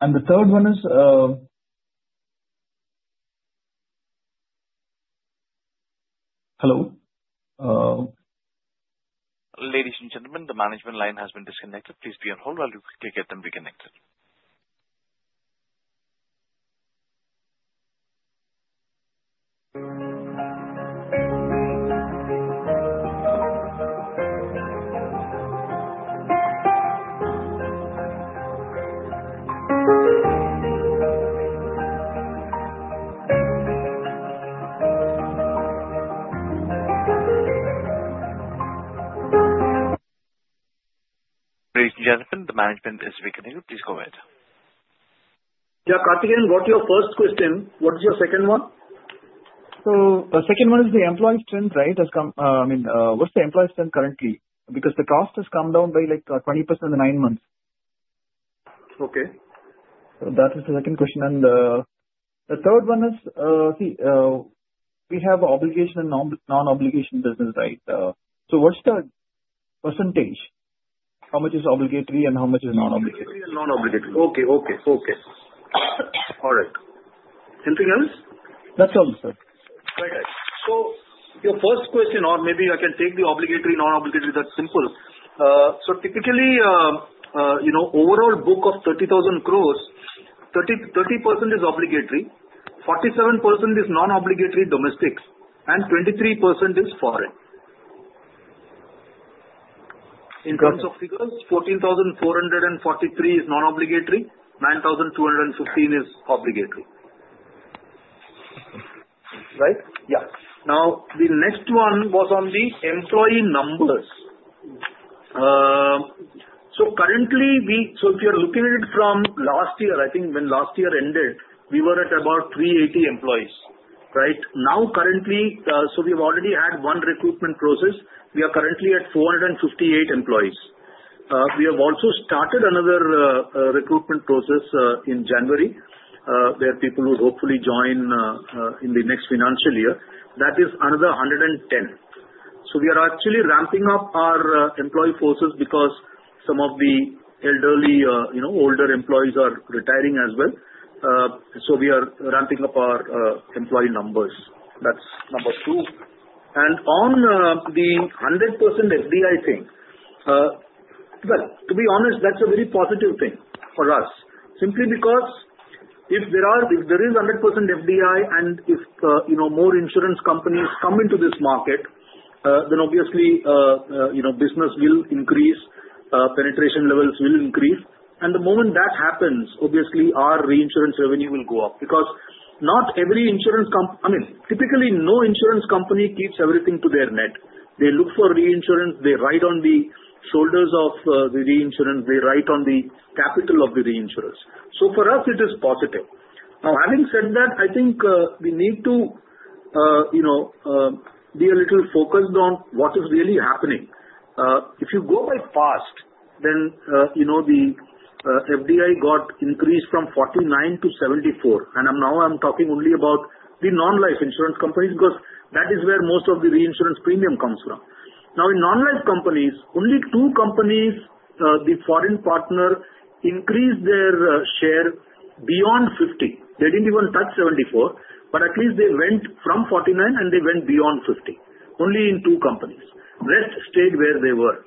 And the third one is hello? Ladies and gentlemen, the management line has been disconnected. Please be on hold while we get them reconnected. Ladies and gentlemen, the management is reconnected. Please go ahead. Yeah, Karthikeyan, got your first question. What is your second one? So the second one is the employee strength, right? I mean, what's the employee strength currently? Because the cost has come down by like 20% in the nine months. Okay. So that is the second question. And the third one is, see, we have obligatory and non-obligatory business, right? So what's the percentage? How much is obligatory and how much is non-obligatory? Obligatory and non-obligatory. Okay. All right. Anything else? That's all, sir. Right. So your first question, or maybe I can take the obligatory, non-obligatory, that's simple. So typically, overall book of 30,000 crores, 30% is obligatory, 47% is non-obligatory domestic, and 23% is foreign. In terms of figures, 14,443 is non-obligatory, 9,215 is obligatory. Right? Yeah. Now, the next one was on the employee numbers. So currently, if you're looking at it from last year, I think when last year ended, we were at about 380 employees, right? Now, currently, so we've already had one recruitment process. We are currently at 458 employees. We have also started another recruitment process in January where people will hopefully join in the next financial year. That is another 110. So we are actually ramping up our employee forces because some of the elderly, older employees are retiring as well. So we are ramping up our employee numbers. That's number two. And on the 100% FDI thing, well, to be honest, that's a very positive thing for us. Simply because if there is 100% FDI and if more insurance companies come into this market, then obviously business will increase, penetration levels will increase. And the moment that happens, obviously our reinsurance revenue will go up. Because not every insurance company, I mean, typically no insurance company keeps everything to their net. They look for reinsurance, they ride on the shoulders of the reinsurance, they ride on the capital of the reinsurance. So for us, it is positive. Now, having said that, I think we need to be a little focused on what is really happening. If you go by past, then the FDI got increased from 49%-74%, and now I'm talking only about the non-life insurance companies because that is where most of the reinsurance premium comes from. Now, in non-life companies, only two companies, the foreign partner, increased their share beyond 50%. They didn't even touch 74%, but at least they went from 49% and they went beyond 50%, only in two companies. Rest stayed where they were,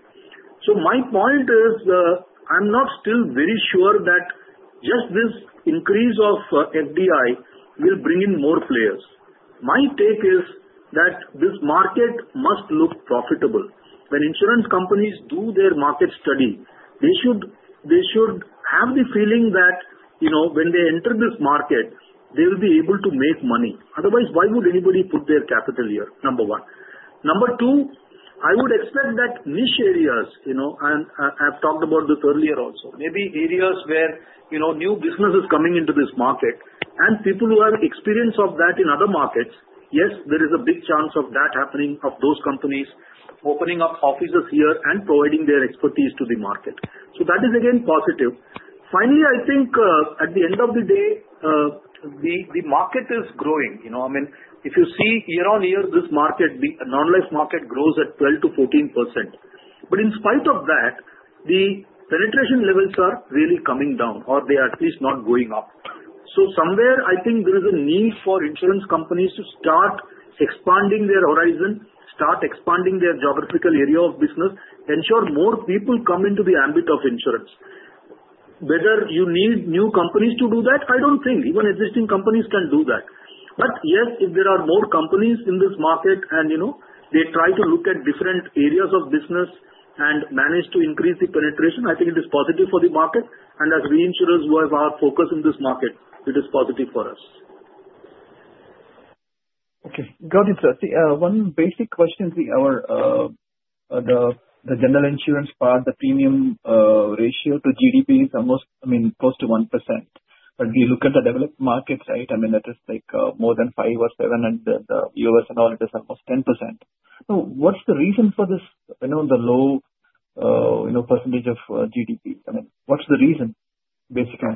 so my point is, I'm not still very sure that just this increase of FDI will bring in more players. My take is that this market must look profitable. When insurance companies do their market study, they should have the feeling that when they enter this market, they will be able to make money. Otherwise, why would anybody put their capital here? Number one. Number two, I would expect that niche areas, and I've talked about this earlier also, maybe areas where new business is coming into this market and people who have experience of that in other markets, yes, there is a big chance of that happening of those companies opening up offices here and providing their expertise to the market. So that is, again, positive. Finally, I think at the end of the day, the market is growing. I mean, if you see year on year, this market, the non-life market grows at 12%-14%. But in spite of that, the penetration levels are really coming down or they are at least not going up. So somewhere, I think there is a need for insurance companies to start expanding their horizon, start expanding their geographical area of business, ensure more people come into the ambit of insurance. Whether you need new companies to do that, I don't think. Even existing companies can do that, but yes, if there are more companies in this market and they try to look at different areas of business and manage to increase the penetration, I think it is positive for the market, and as reinsurers who have our focus in this market, it is positive for us. Okay. Got it, sir. One basic question. The general insurance part, the premium ratio to GDP is almost, I mean, close to 1%. But we look at the developed markets, right? I mean, that is more than 5% or 7%, and the U.S. and all, it is almost 10%. So what's the reason for this, the low percentage of GDP? I mean, what's the reason, basically?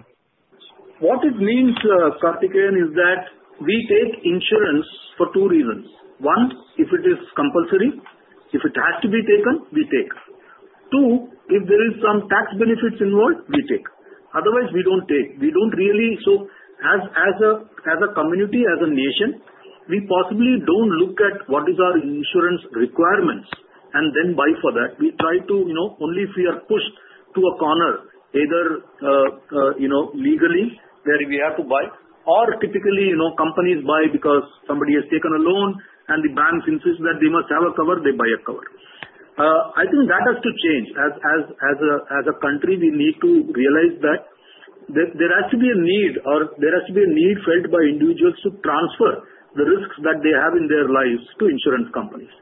What it means, Karthikeyan, is that we take insurance for two reasons. One, if it is compulsory, if it has to be taken, we take. Two, if there are some tax benefits involved, we take. Otherwise, we don't take. We don't really so as a community, as a nation, we possibly don't look at what are our insurance requirements and then buy for that. We try to only if we are pushed to a corner, either legally where we have to buy, or typically companies buy because somebody has taken a loan and the bank insists that they must have a cover, they buy a cover. I think that has to change. As a country, we need to realize that there has to be a need, or there has to be a need felt by individuals to transfer the risks that they have in their lives to insurance companies.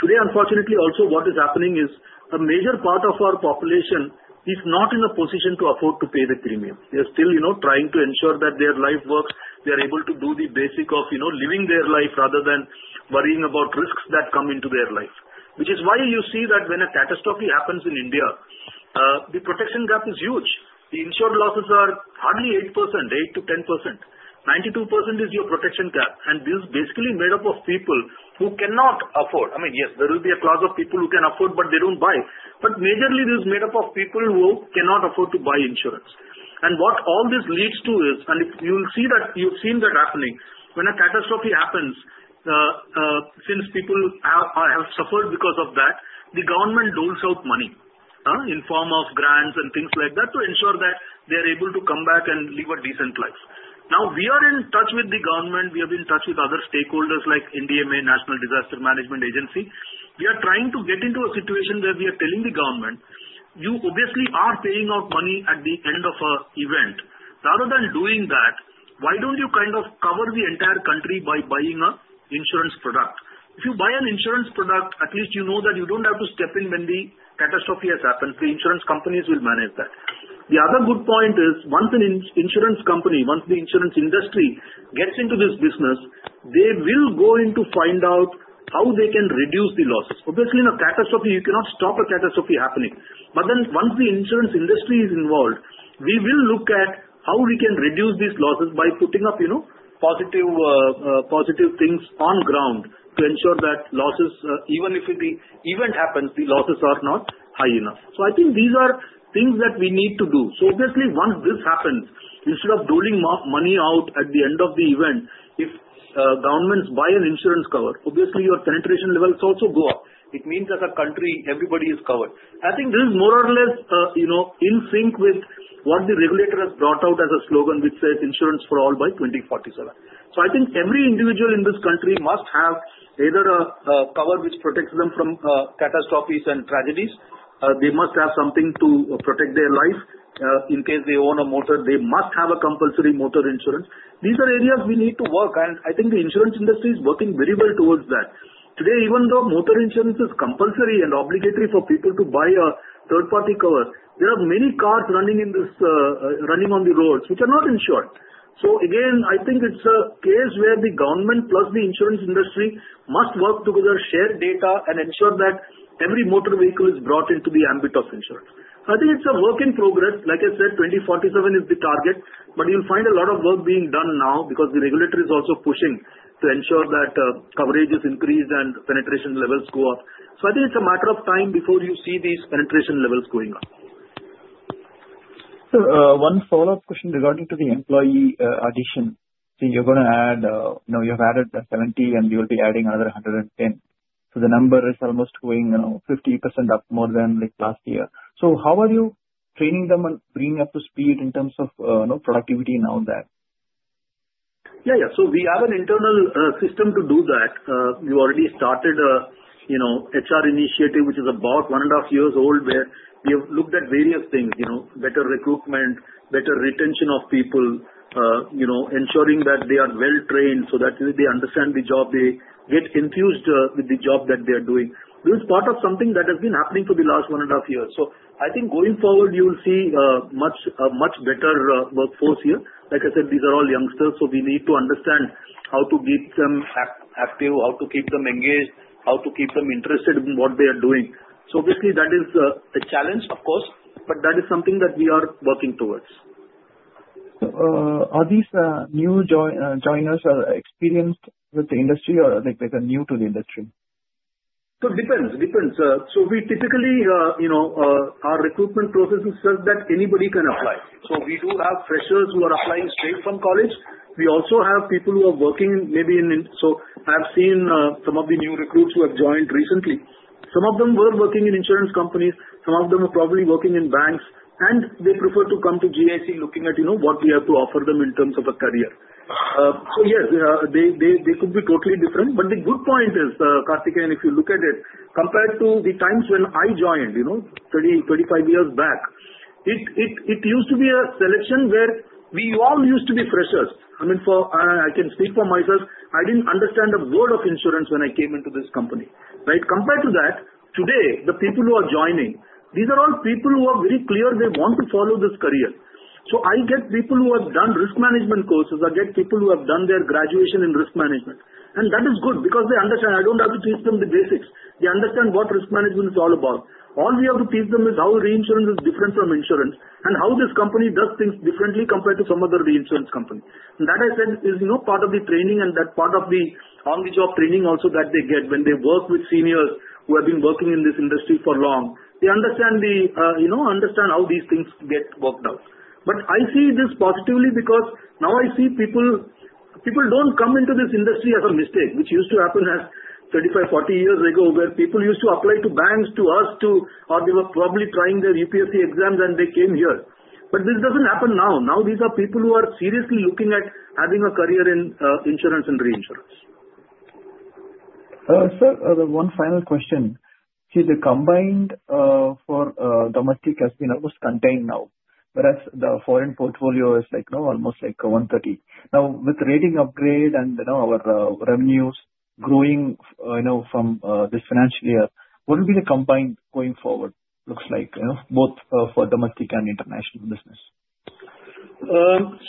Today, unfortunately, also what is happening is a major part of our population is not in a position to afford to pay the premium. They're still trying to ensure that their life works. They are able to do the basic of living their life rather than worrying about risks that come into their life. Which is why you see that when a catastrophe happens in India, the protection gap is huge. The insured losses are hardly 8%, 8%-10%. 92% is your protection gap, and this is basically made up of people who cannot afford. I mean, yes, there will be a class of people who can afford, but they don't buy. But majorly, this is made up of people who cannot afford to buy insurance. And what all this leads to is, and you'll see that you've seen that happening, when a catastrophe happens, since people have suffered because of that, the government doles out money in form of grants and things like that to ensure that they are able to come back and live a decent life. Now, we are in touch with the government. We have been in touch with other stakeholders like NDMA, National Disaster Management Authority. We are trying to get into a situation where we are telling the government, "You obviously are paying out money at the end of an event. Rather than doing that, why don't you kind of cover the entire country by buying an insurance product?" If you buy an insurance product, at least you know that you don't have to step in when the catastrophe has happened. The insurance companies will manage that. The other good point is, once an insurance company, once the insurance industry gets into this business, they will go in to find out how they can reduce the losses. Obviously, in a catastrophe, you cannot stop a catastrophe happening. But then once the insurance industry is involved, we will look at how we can reduce these losses by putting up positive things on ground to ensure that losses, even if the event happens, the losses are not high enough. So I think these are things that we need to do. So obviously, once this happens, instead of doling money out at the end of the event, if governments buy an insurance cover, obviously your penetration levels also go up. It means as a country, everybody is covered. I think this is more or less in sync with what the regulator has brought out as a slogan which says, "Insurance for all by 2047." So I think every individual in this country must have either a cover which protects them from catastrophes and tragedies. They must have something to protect their life. In case they own a motor, they must have a compulsory motor insurance. These are areas we need to work. And I think the insurance industry is working very well towards that. Today, even though motor insurance is compulsory and obligatory for people to buy a third-party cover, there are many cars running on the roads which are not insured. So again, I think it's a case where the government plus the insurance industry must work together, share data, and ensure that every motor vehicle is brought into the ambit of insurance. I think it's a work in progress. Like I said, 2047 is the target. But you'll find a lot of work being done now because the regulator is also pushing to ensure that coverage is increased and penetration levels go up. So I think it's a matter of time before you see these penetration levels going up. One follow-up question regarding the employee addition. You have added 70, and you will be adding another 110. So the number is almost going 50% up more than last year. So how are you training them and bringing up to speed in terms of productivity and all that? Yeah. Yeah. So we have an internal system to do that. We've already started an HR initiative which is about one and a half years old where we have looked at various things: better recruitment, better retention of people, ensuring that they are well-trained so that they understand the job, they get enthused with the job that they are doing. This is part of something that has been happening for the last one and a half years. So I think going forward, you will see a much better workforce here. Like I said, these are all youngsters, so we need to understand how to keep them active, how to keep them engaged, how to keep them interested in what they are doing. So obviously, that is a challenge, of course, but that is something that we are working towards. Are these new joiners or experienced with the industry, or are they new to the industry? So it depends. It depends. So, we typically, our recruitment process is such that anybody can apply. So we do have freshers who are applying straight from college. We also have people who are working maybe in so I've seen some of the new recruits who have joined recently. Some of them were working in insurance companies. Some of them are probably working in banks, and they prefer to come to GIC looking at what we have to offer them in terms of a career. So yes, they could be totally different. But the good point is, Karthikeyan, if you look at it, compared to the times when I joined, 30, 25 years back, it used to be a selection where we all used to be freshers. I mean, I can speak for myself. I didn't understand a word of insurance when I came into this company. Right? Compared to that, today, the people who are joining, these are all people who are very clear they want to follow this career. So I get people who have done risk management courses. I get people who have done their graduation in risk management. And that is good because they understand. I don't have to teach them the basics. They understand what risk management is all about. All we have to teach them is how reinsurance is different from insurance and how this company does things differently compared to some other reinsurance company. And that, I said, is part of the training and that part of the on-the-job training also that they get when they work with seniors who have been working in this industry for long. They understand how these things get worked out. But I see this positively because now I see people don't come into this industry as a mistake, which used to happen 35, 40 years ago where people used to apply to banks, to us, or they were probably trying their UPSC exams and they came here. But this doesn't happen now. Now, these are people who are seriously looking at having a career in insurance and reinsurance. Sir, one final question. See, the combined for domestic has been almost contained now, whereas the foreign portfolio is almost like 130%. Now, with rating upgrade and our revenues growing from this financial year, what will be the combined going forward looks like, both for domestic and international business?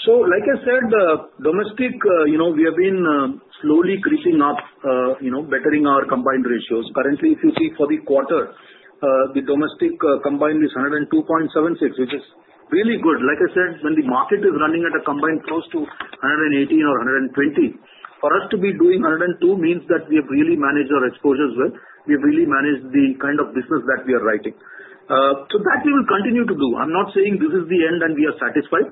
So like I said, domestic, we have been slowly creeping up, bettering our combined ratios. Currently, if you see for the quarter, the domestic combined is 102.76%, which is really good. Like I said, when the market is running at a combined close to 118 or 120, for us to be doing 102 means that we have really managed our exposures well. We have really managed the kind of business that we are writing. So that we will continue to do. I'm not saying this is the end and we are satisfied.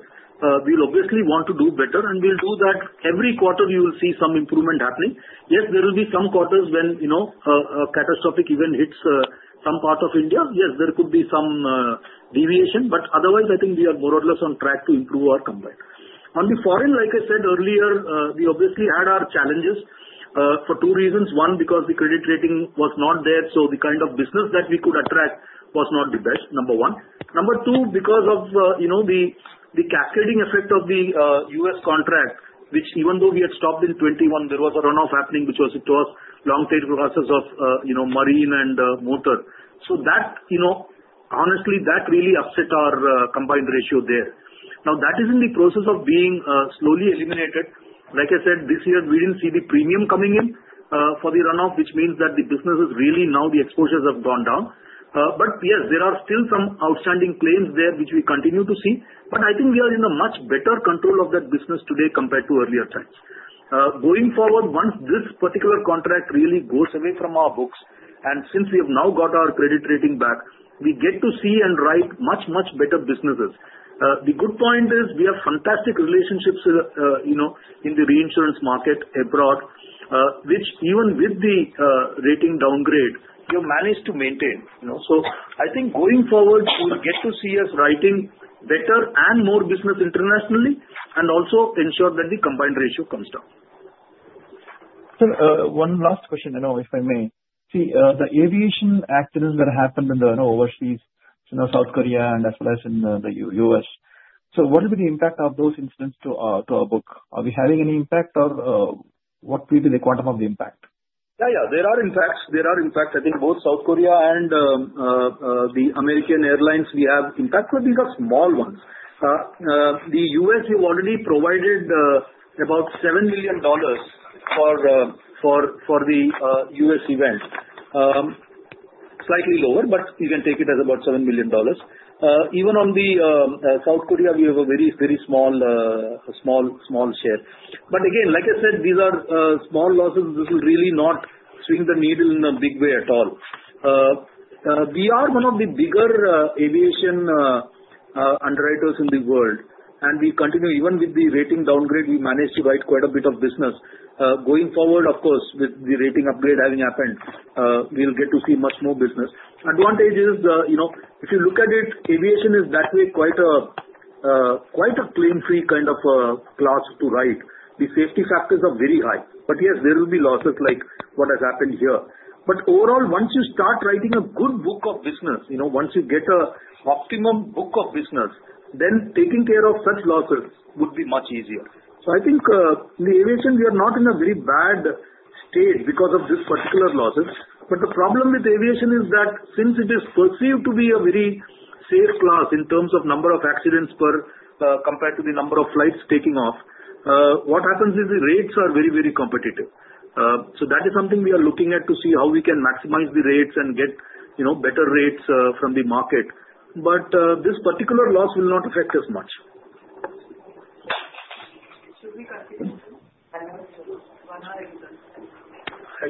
We will obviously want to do better, and we'll do that. Every quarter, you will see some improvement happening. Yes, there will be some quarters when a catastrophic event hits some part of India. Yes, there could be some deviation. But otherwise, I think we are more or less on track to improve our combined. On the foreign, like I said earlier, we obviously had our challenges for two reasons. One, because the credit rating was not there, so the kind of business that we could attract was not the best, number one. Number two, because of the cascading effect of the U.S. contract, which even though we had stopped in 2021, there was a runoff happening, which was a long-tail process of Marine and Motor. So honestly, that really upset our combined ratio there. Now, that is in the process of being slowly eliminated. Like I said, this year, we didn't see the premium coming in for the runoff, which means that the business is really now the exposures have gone down. But yes, there are still some outstanding claims there, which we continue to see. But I think we are in much better control of that business today compared to earlier times. Going forward, once this particular contract really goes away from our books, and since we have now got our credit rating back, we get to see and write much, much better businesses. The good point is we have fantastic relationships in the reinsurance market abroad, which even with the rating downgrade, we have managed to maintain. So I think going forward, we'll get to see us writing better and more business internationally and also ensure that the combined ratio comes down. Sir, one last question, if I may. See, the aviation accidents that happened in the overseas, South Korea and as well as in the U.S., so what will be the impact of those incidents to our book? Are we having any impact, or what will be the quantum of the impact? Yeah. Yeah. There are impacts. There are impacts. I think both South Korea and American Airlines, we have impacts. But these are small ones. The U.S., we've already provided about $7 million for the U.S. event. Slightly lower, but you can take it as about $7 million. Even on the South Korea, we have a very, very small share. But again, like I said, these are small losses that will really not swing the needle in a big way at all. We are one of the bigger aviation underwriters in the world, and we continue. Even with the rating downgrade, we managed to write quite a bit of business. Going forward, of course, with the rating upgrade having happened, we'll get to see much more business. Advantage is, if you look at it, aviation is that way quite a claim-free kind of class to write. The safety factors are very high. But yes, there will be losses like what has happened here. But overall, once you start writing a good book of business, once you get an optimum book of business, then taking care of such losses would be much easier. So I think in the aviation, we are not in a very bad state because of this particular losses. But the problem with aviation is that since it is perceived to be a very safe class in terms of number of accidents compared to the number of flights taking off, what happens is the rates are very, very competitive. So that is something we are looking at to see how we can maximize the rates and get better rates from the market. But this particular loss will not affect us much. I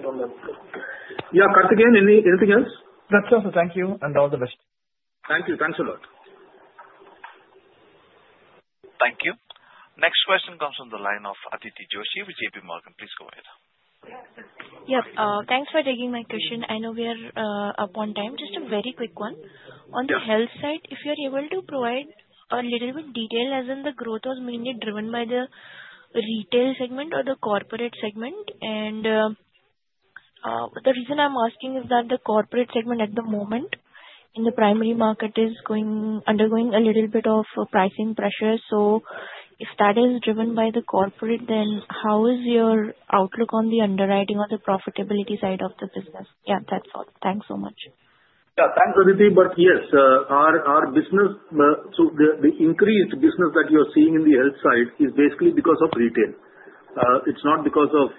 don't know. Yeah. Karthikeyan, anything else? That's all. So thank you and all the best. Thank you. Thanks a lot. Thank you. Next question comes from the line of Aditi Joshi with JPMorgan. Please go ahead. Yep. Thanks for taking my question. I know we are up on time. Just a very quick one. On the health side, if you're able to provide a little bit detail, as in the growth was mainly driven by the retail segment or the corporate segment, and the reason I'm asking is that the corporate segment at the moment in the primary market is undergoing a little bit of pricing pressure. So if that is driven by the corporate, then how is your outlook on the underwriting or the profitability side of the business? Yeah. That's all. Thanks so much. Yeah. Thanks, Aditi, but yes, our business, so the increased business that you are seeing in the health side is basically because of retail. It's not because of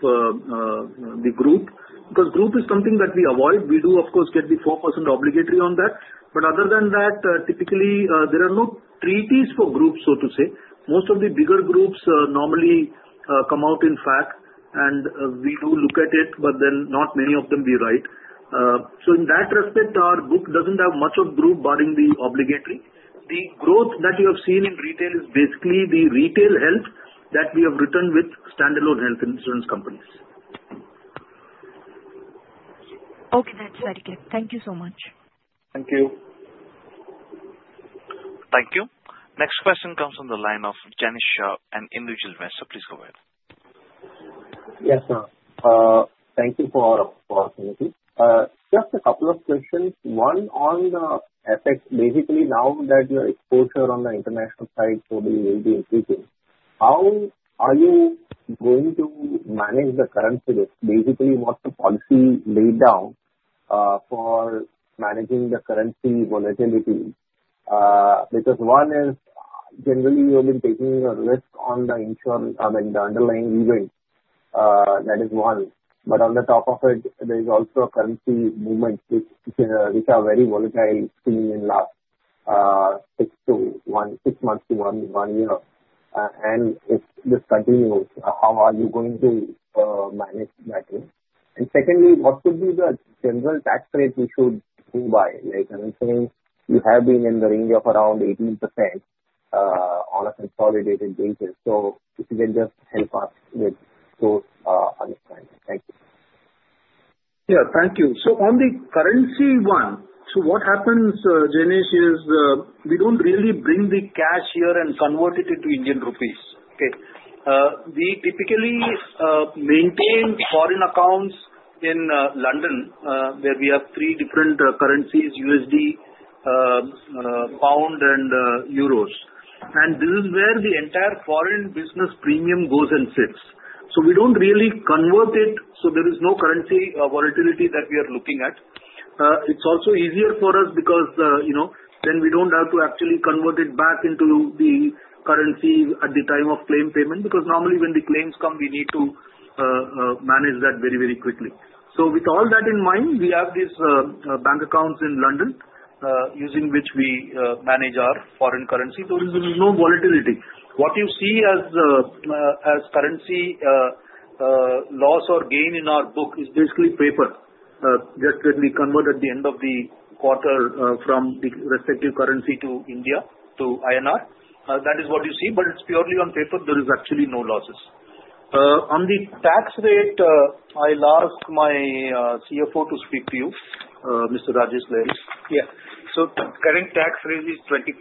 the group. Because group is something that we avoid. We do, of course, get the 4% obligatory on that. But other than that, typically, there are no treaties for groups, so to say. Most of the bigger groups normally come out in fact, and we do look at it, but then not many of them we write. So in that respect, our book doesn't have much of group barring the obligatory. The growth that you have seen in retail is basically the retail health that we have returned with standalone health insurance companies. Okay. That's very clear. Thank you so much. Thank you. Thank you. Next question comes from the line of Jenny Shah, an individual investor. Please go ahead. Yes, sir. Thank you for opportunity. Just a couple of questions. One on the effects, basically, now that your exposure on the international side probably will be increasing, how are you going to manage the currency risk? Basically, what's the policy laid down for managing the currency volatility? Because one is, generally, you have been taking a risk on the insurance, I mean, the underlying event. That is one. But on the top of it, there is also currency movement, which are very volatile, seen in the last six months to one year. And if this continues, how are you going to manage that? And secondly, what would be the general tax rate we should go by? I'm saying you have been in the range of around 18% on a consolidated basis. So if you can just help us with those understandings. Thank you. Yeah. Thank you. So on the currency one, so what hapeens, Jenny, is we don't really bring the cash here and convert it into Indian rupees. Okay? We typically maintain foreign accounts in London, where we have three different currencies: USD, pound, and euros. And this is where the entire foreign business premium goes and sits. So we don't really convert it, so there is no currency volatility that we are looking at. It's also easier for us because then we don't have to actually convert it back into the currency at the time of claim payment. Because normally, when the claims come, we need to manage that very, very quickly. So with all that in mind, we have these bank accounts in London using which we manage our foreign currency. So there is no volatility. What you see as currency loss or gain in our book is basically paper, just when we convert at the end of the quarter from the respective currency to India, to INR. That is what you see. But it's purely on paper. There is actually no losses. On the tax rate, I'll ask my CFO to speak to you, Mr. Rajesh. Yeah. So current tax rate is 25.06%.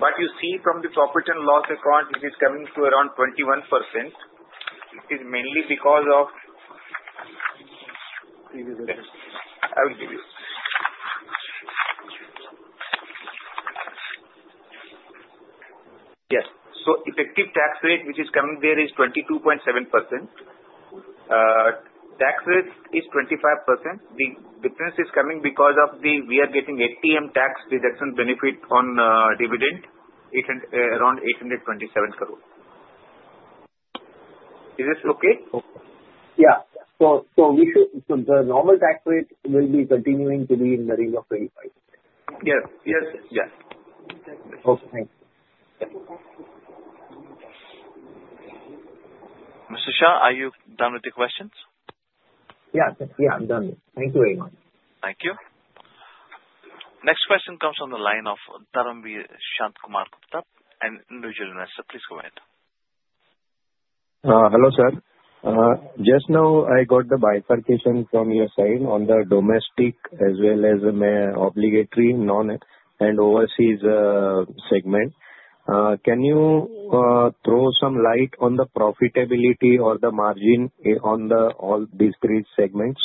But you see from the profit and loss account, it is coming to around 21%. It is mainly because of. I will give you. Yes. So effective tax rate, which is coming there, is 22.7%. Tax rate is 25%. The difference is coming because of the. We are getting 80M tax deduction benefit on dividend, around 827 crore. Is this okay? Yeah. So the normal tax rate will be continuing to be in the range of 25%. Yes. Yes. Yes. Okay. Thanks. Mr. Shah, are you done with the questions? Yeah. Yeah. I'm done. Thank you very much. Thank you. Next question comes from the line of Dharmavi Shant Kumar Gupta, an Individual Investor. Please go ahead. Hello, sir. Just now, I got the bifurcation from your side on the domestic as well as non-obligatory and overseas segment. Can you throw some light on the profitability or the margin on all these three segments?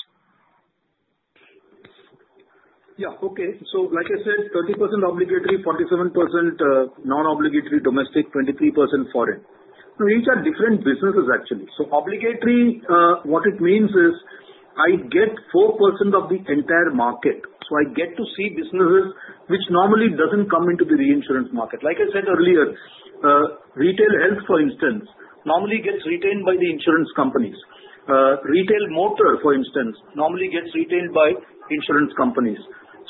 Yeah. Okay. So like I said, 30% obligatory, 47% non-obligatory domestic, 23% foreign. Now, these are different businesses, actually. So obligatory, what it means is I get 4% of the entire market. So I get to see businesses which normally don't come into the reinsurance market. Like I said earlier, retail health, for instance, normally gets retained by the insurance companies. Retail motor, for instance, normally gets retained by insurance companies.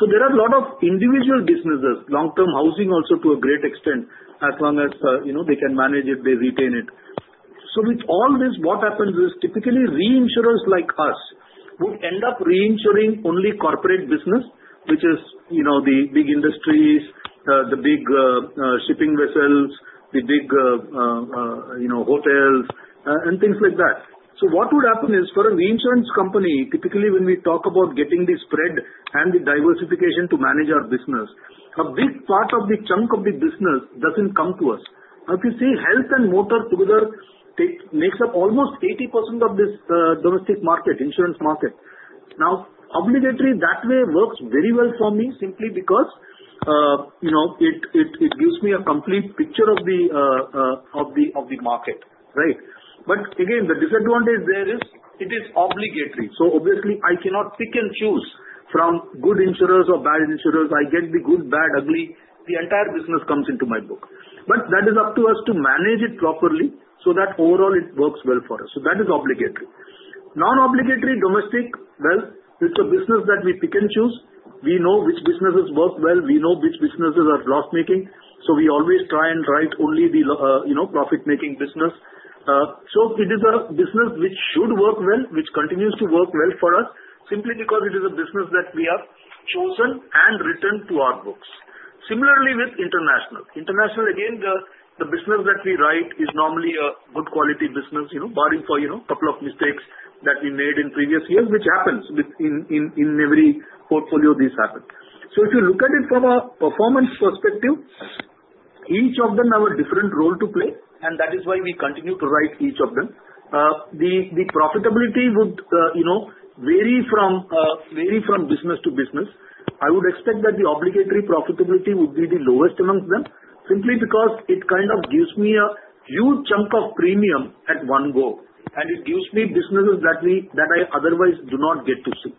So there are a lot of individual businesses, long-term housing also to a great extent, as long as they can manage it, they retain it. So with all this, what happens is typically reinsurers like us would end up reinsuring only corporate business, which is the big industries, the big shipping vessels, the big hotels, and things like that. So what would happen is for a reinsurance company, typically when we talk about getting the spread and the diversification to manage our business, a big part of the chunk of the business doesn't come to us. Now, if you see, health and motor together makes up almost 80% of this domestic market, insurance market. Now, obligatory that way works very well for me simply because it gives me a complete picture of the market, right? But again, the disadvantage there is it is obligatory. So obviously, I cannot pick and choose from good insurers or bad insurers. I get the good, bad, ugly. The entire business comes into my book. But that is up to us to manage it properly so that overall it works well for us. So that is obligatory. Non-obligatory domestic, well, it's a business that we pick and choose. We know which businesses work well. We know which businesses are loss-making. So we always try and write only the profit-making business. So it is a business which should work well, which continues to work well for us simply because it is a business that we have chosen and written to our books. Similarly with international. International, again, the business that we write is normally a good quality business, barring for a couple of mistakes that we made in previous years, which happens in every portfolio. So if you look at it from a performance perspective, each of them have a different role to play, and that is why we continue to write each of them. The profitability would vary from business to business. I would expect that the obligatory profitability would be the lowest amongst them simply because it kind of gives me a huge chunk of premium at one go, and it gives me businesses that I otherwise do not get to see.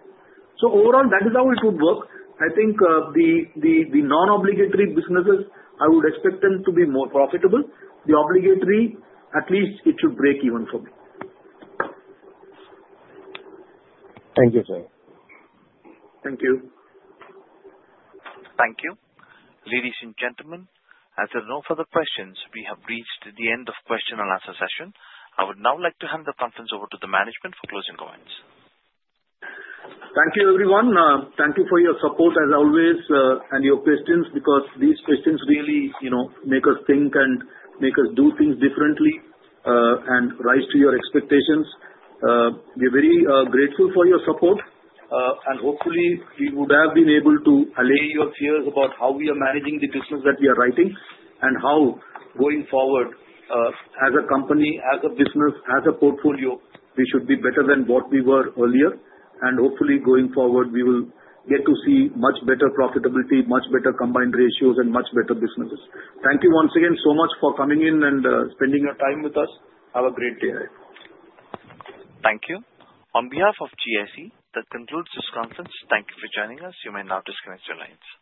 So overall, that is how it would work. I think the non-obligatory businesses, I would expect them to be more profitable. The obligatory, at least it should break even for me. Thank you, sir. Thank you. Thank you. Ladies and gentlemen, as there are no further questions, we have reached the end of the question and answer session. I would now like to hand the conference over to the management for closing comments. Thank you, everyone. Thank you for your support, as always, and your questions because these questions really make us think and make us do things differently and rise to your expectations. We are very grateful for your support, and hopefully, we would have been able to allay your fears about how we are managing the business that we are writing and how going forward, as a company, as a business, as a portfolio, we should be better than what we were earlier, and hopefully, going forward, we will get to see much better profitability, much better combined ratios, and much better businesses. Thank you once again so much for coming in and spending your time with us. Have a great day. Thank you. On behalf of GIC, that concludes this conference. Thank you for joining us. You may now disconnect your lines.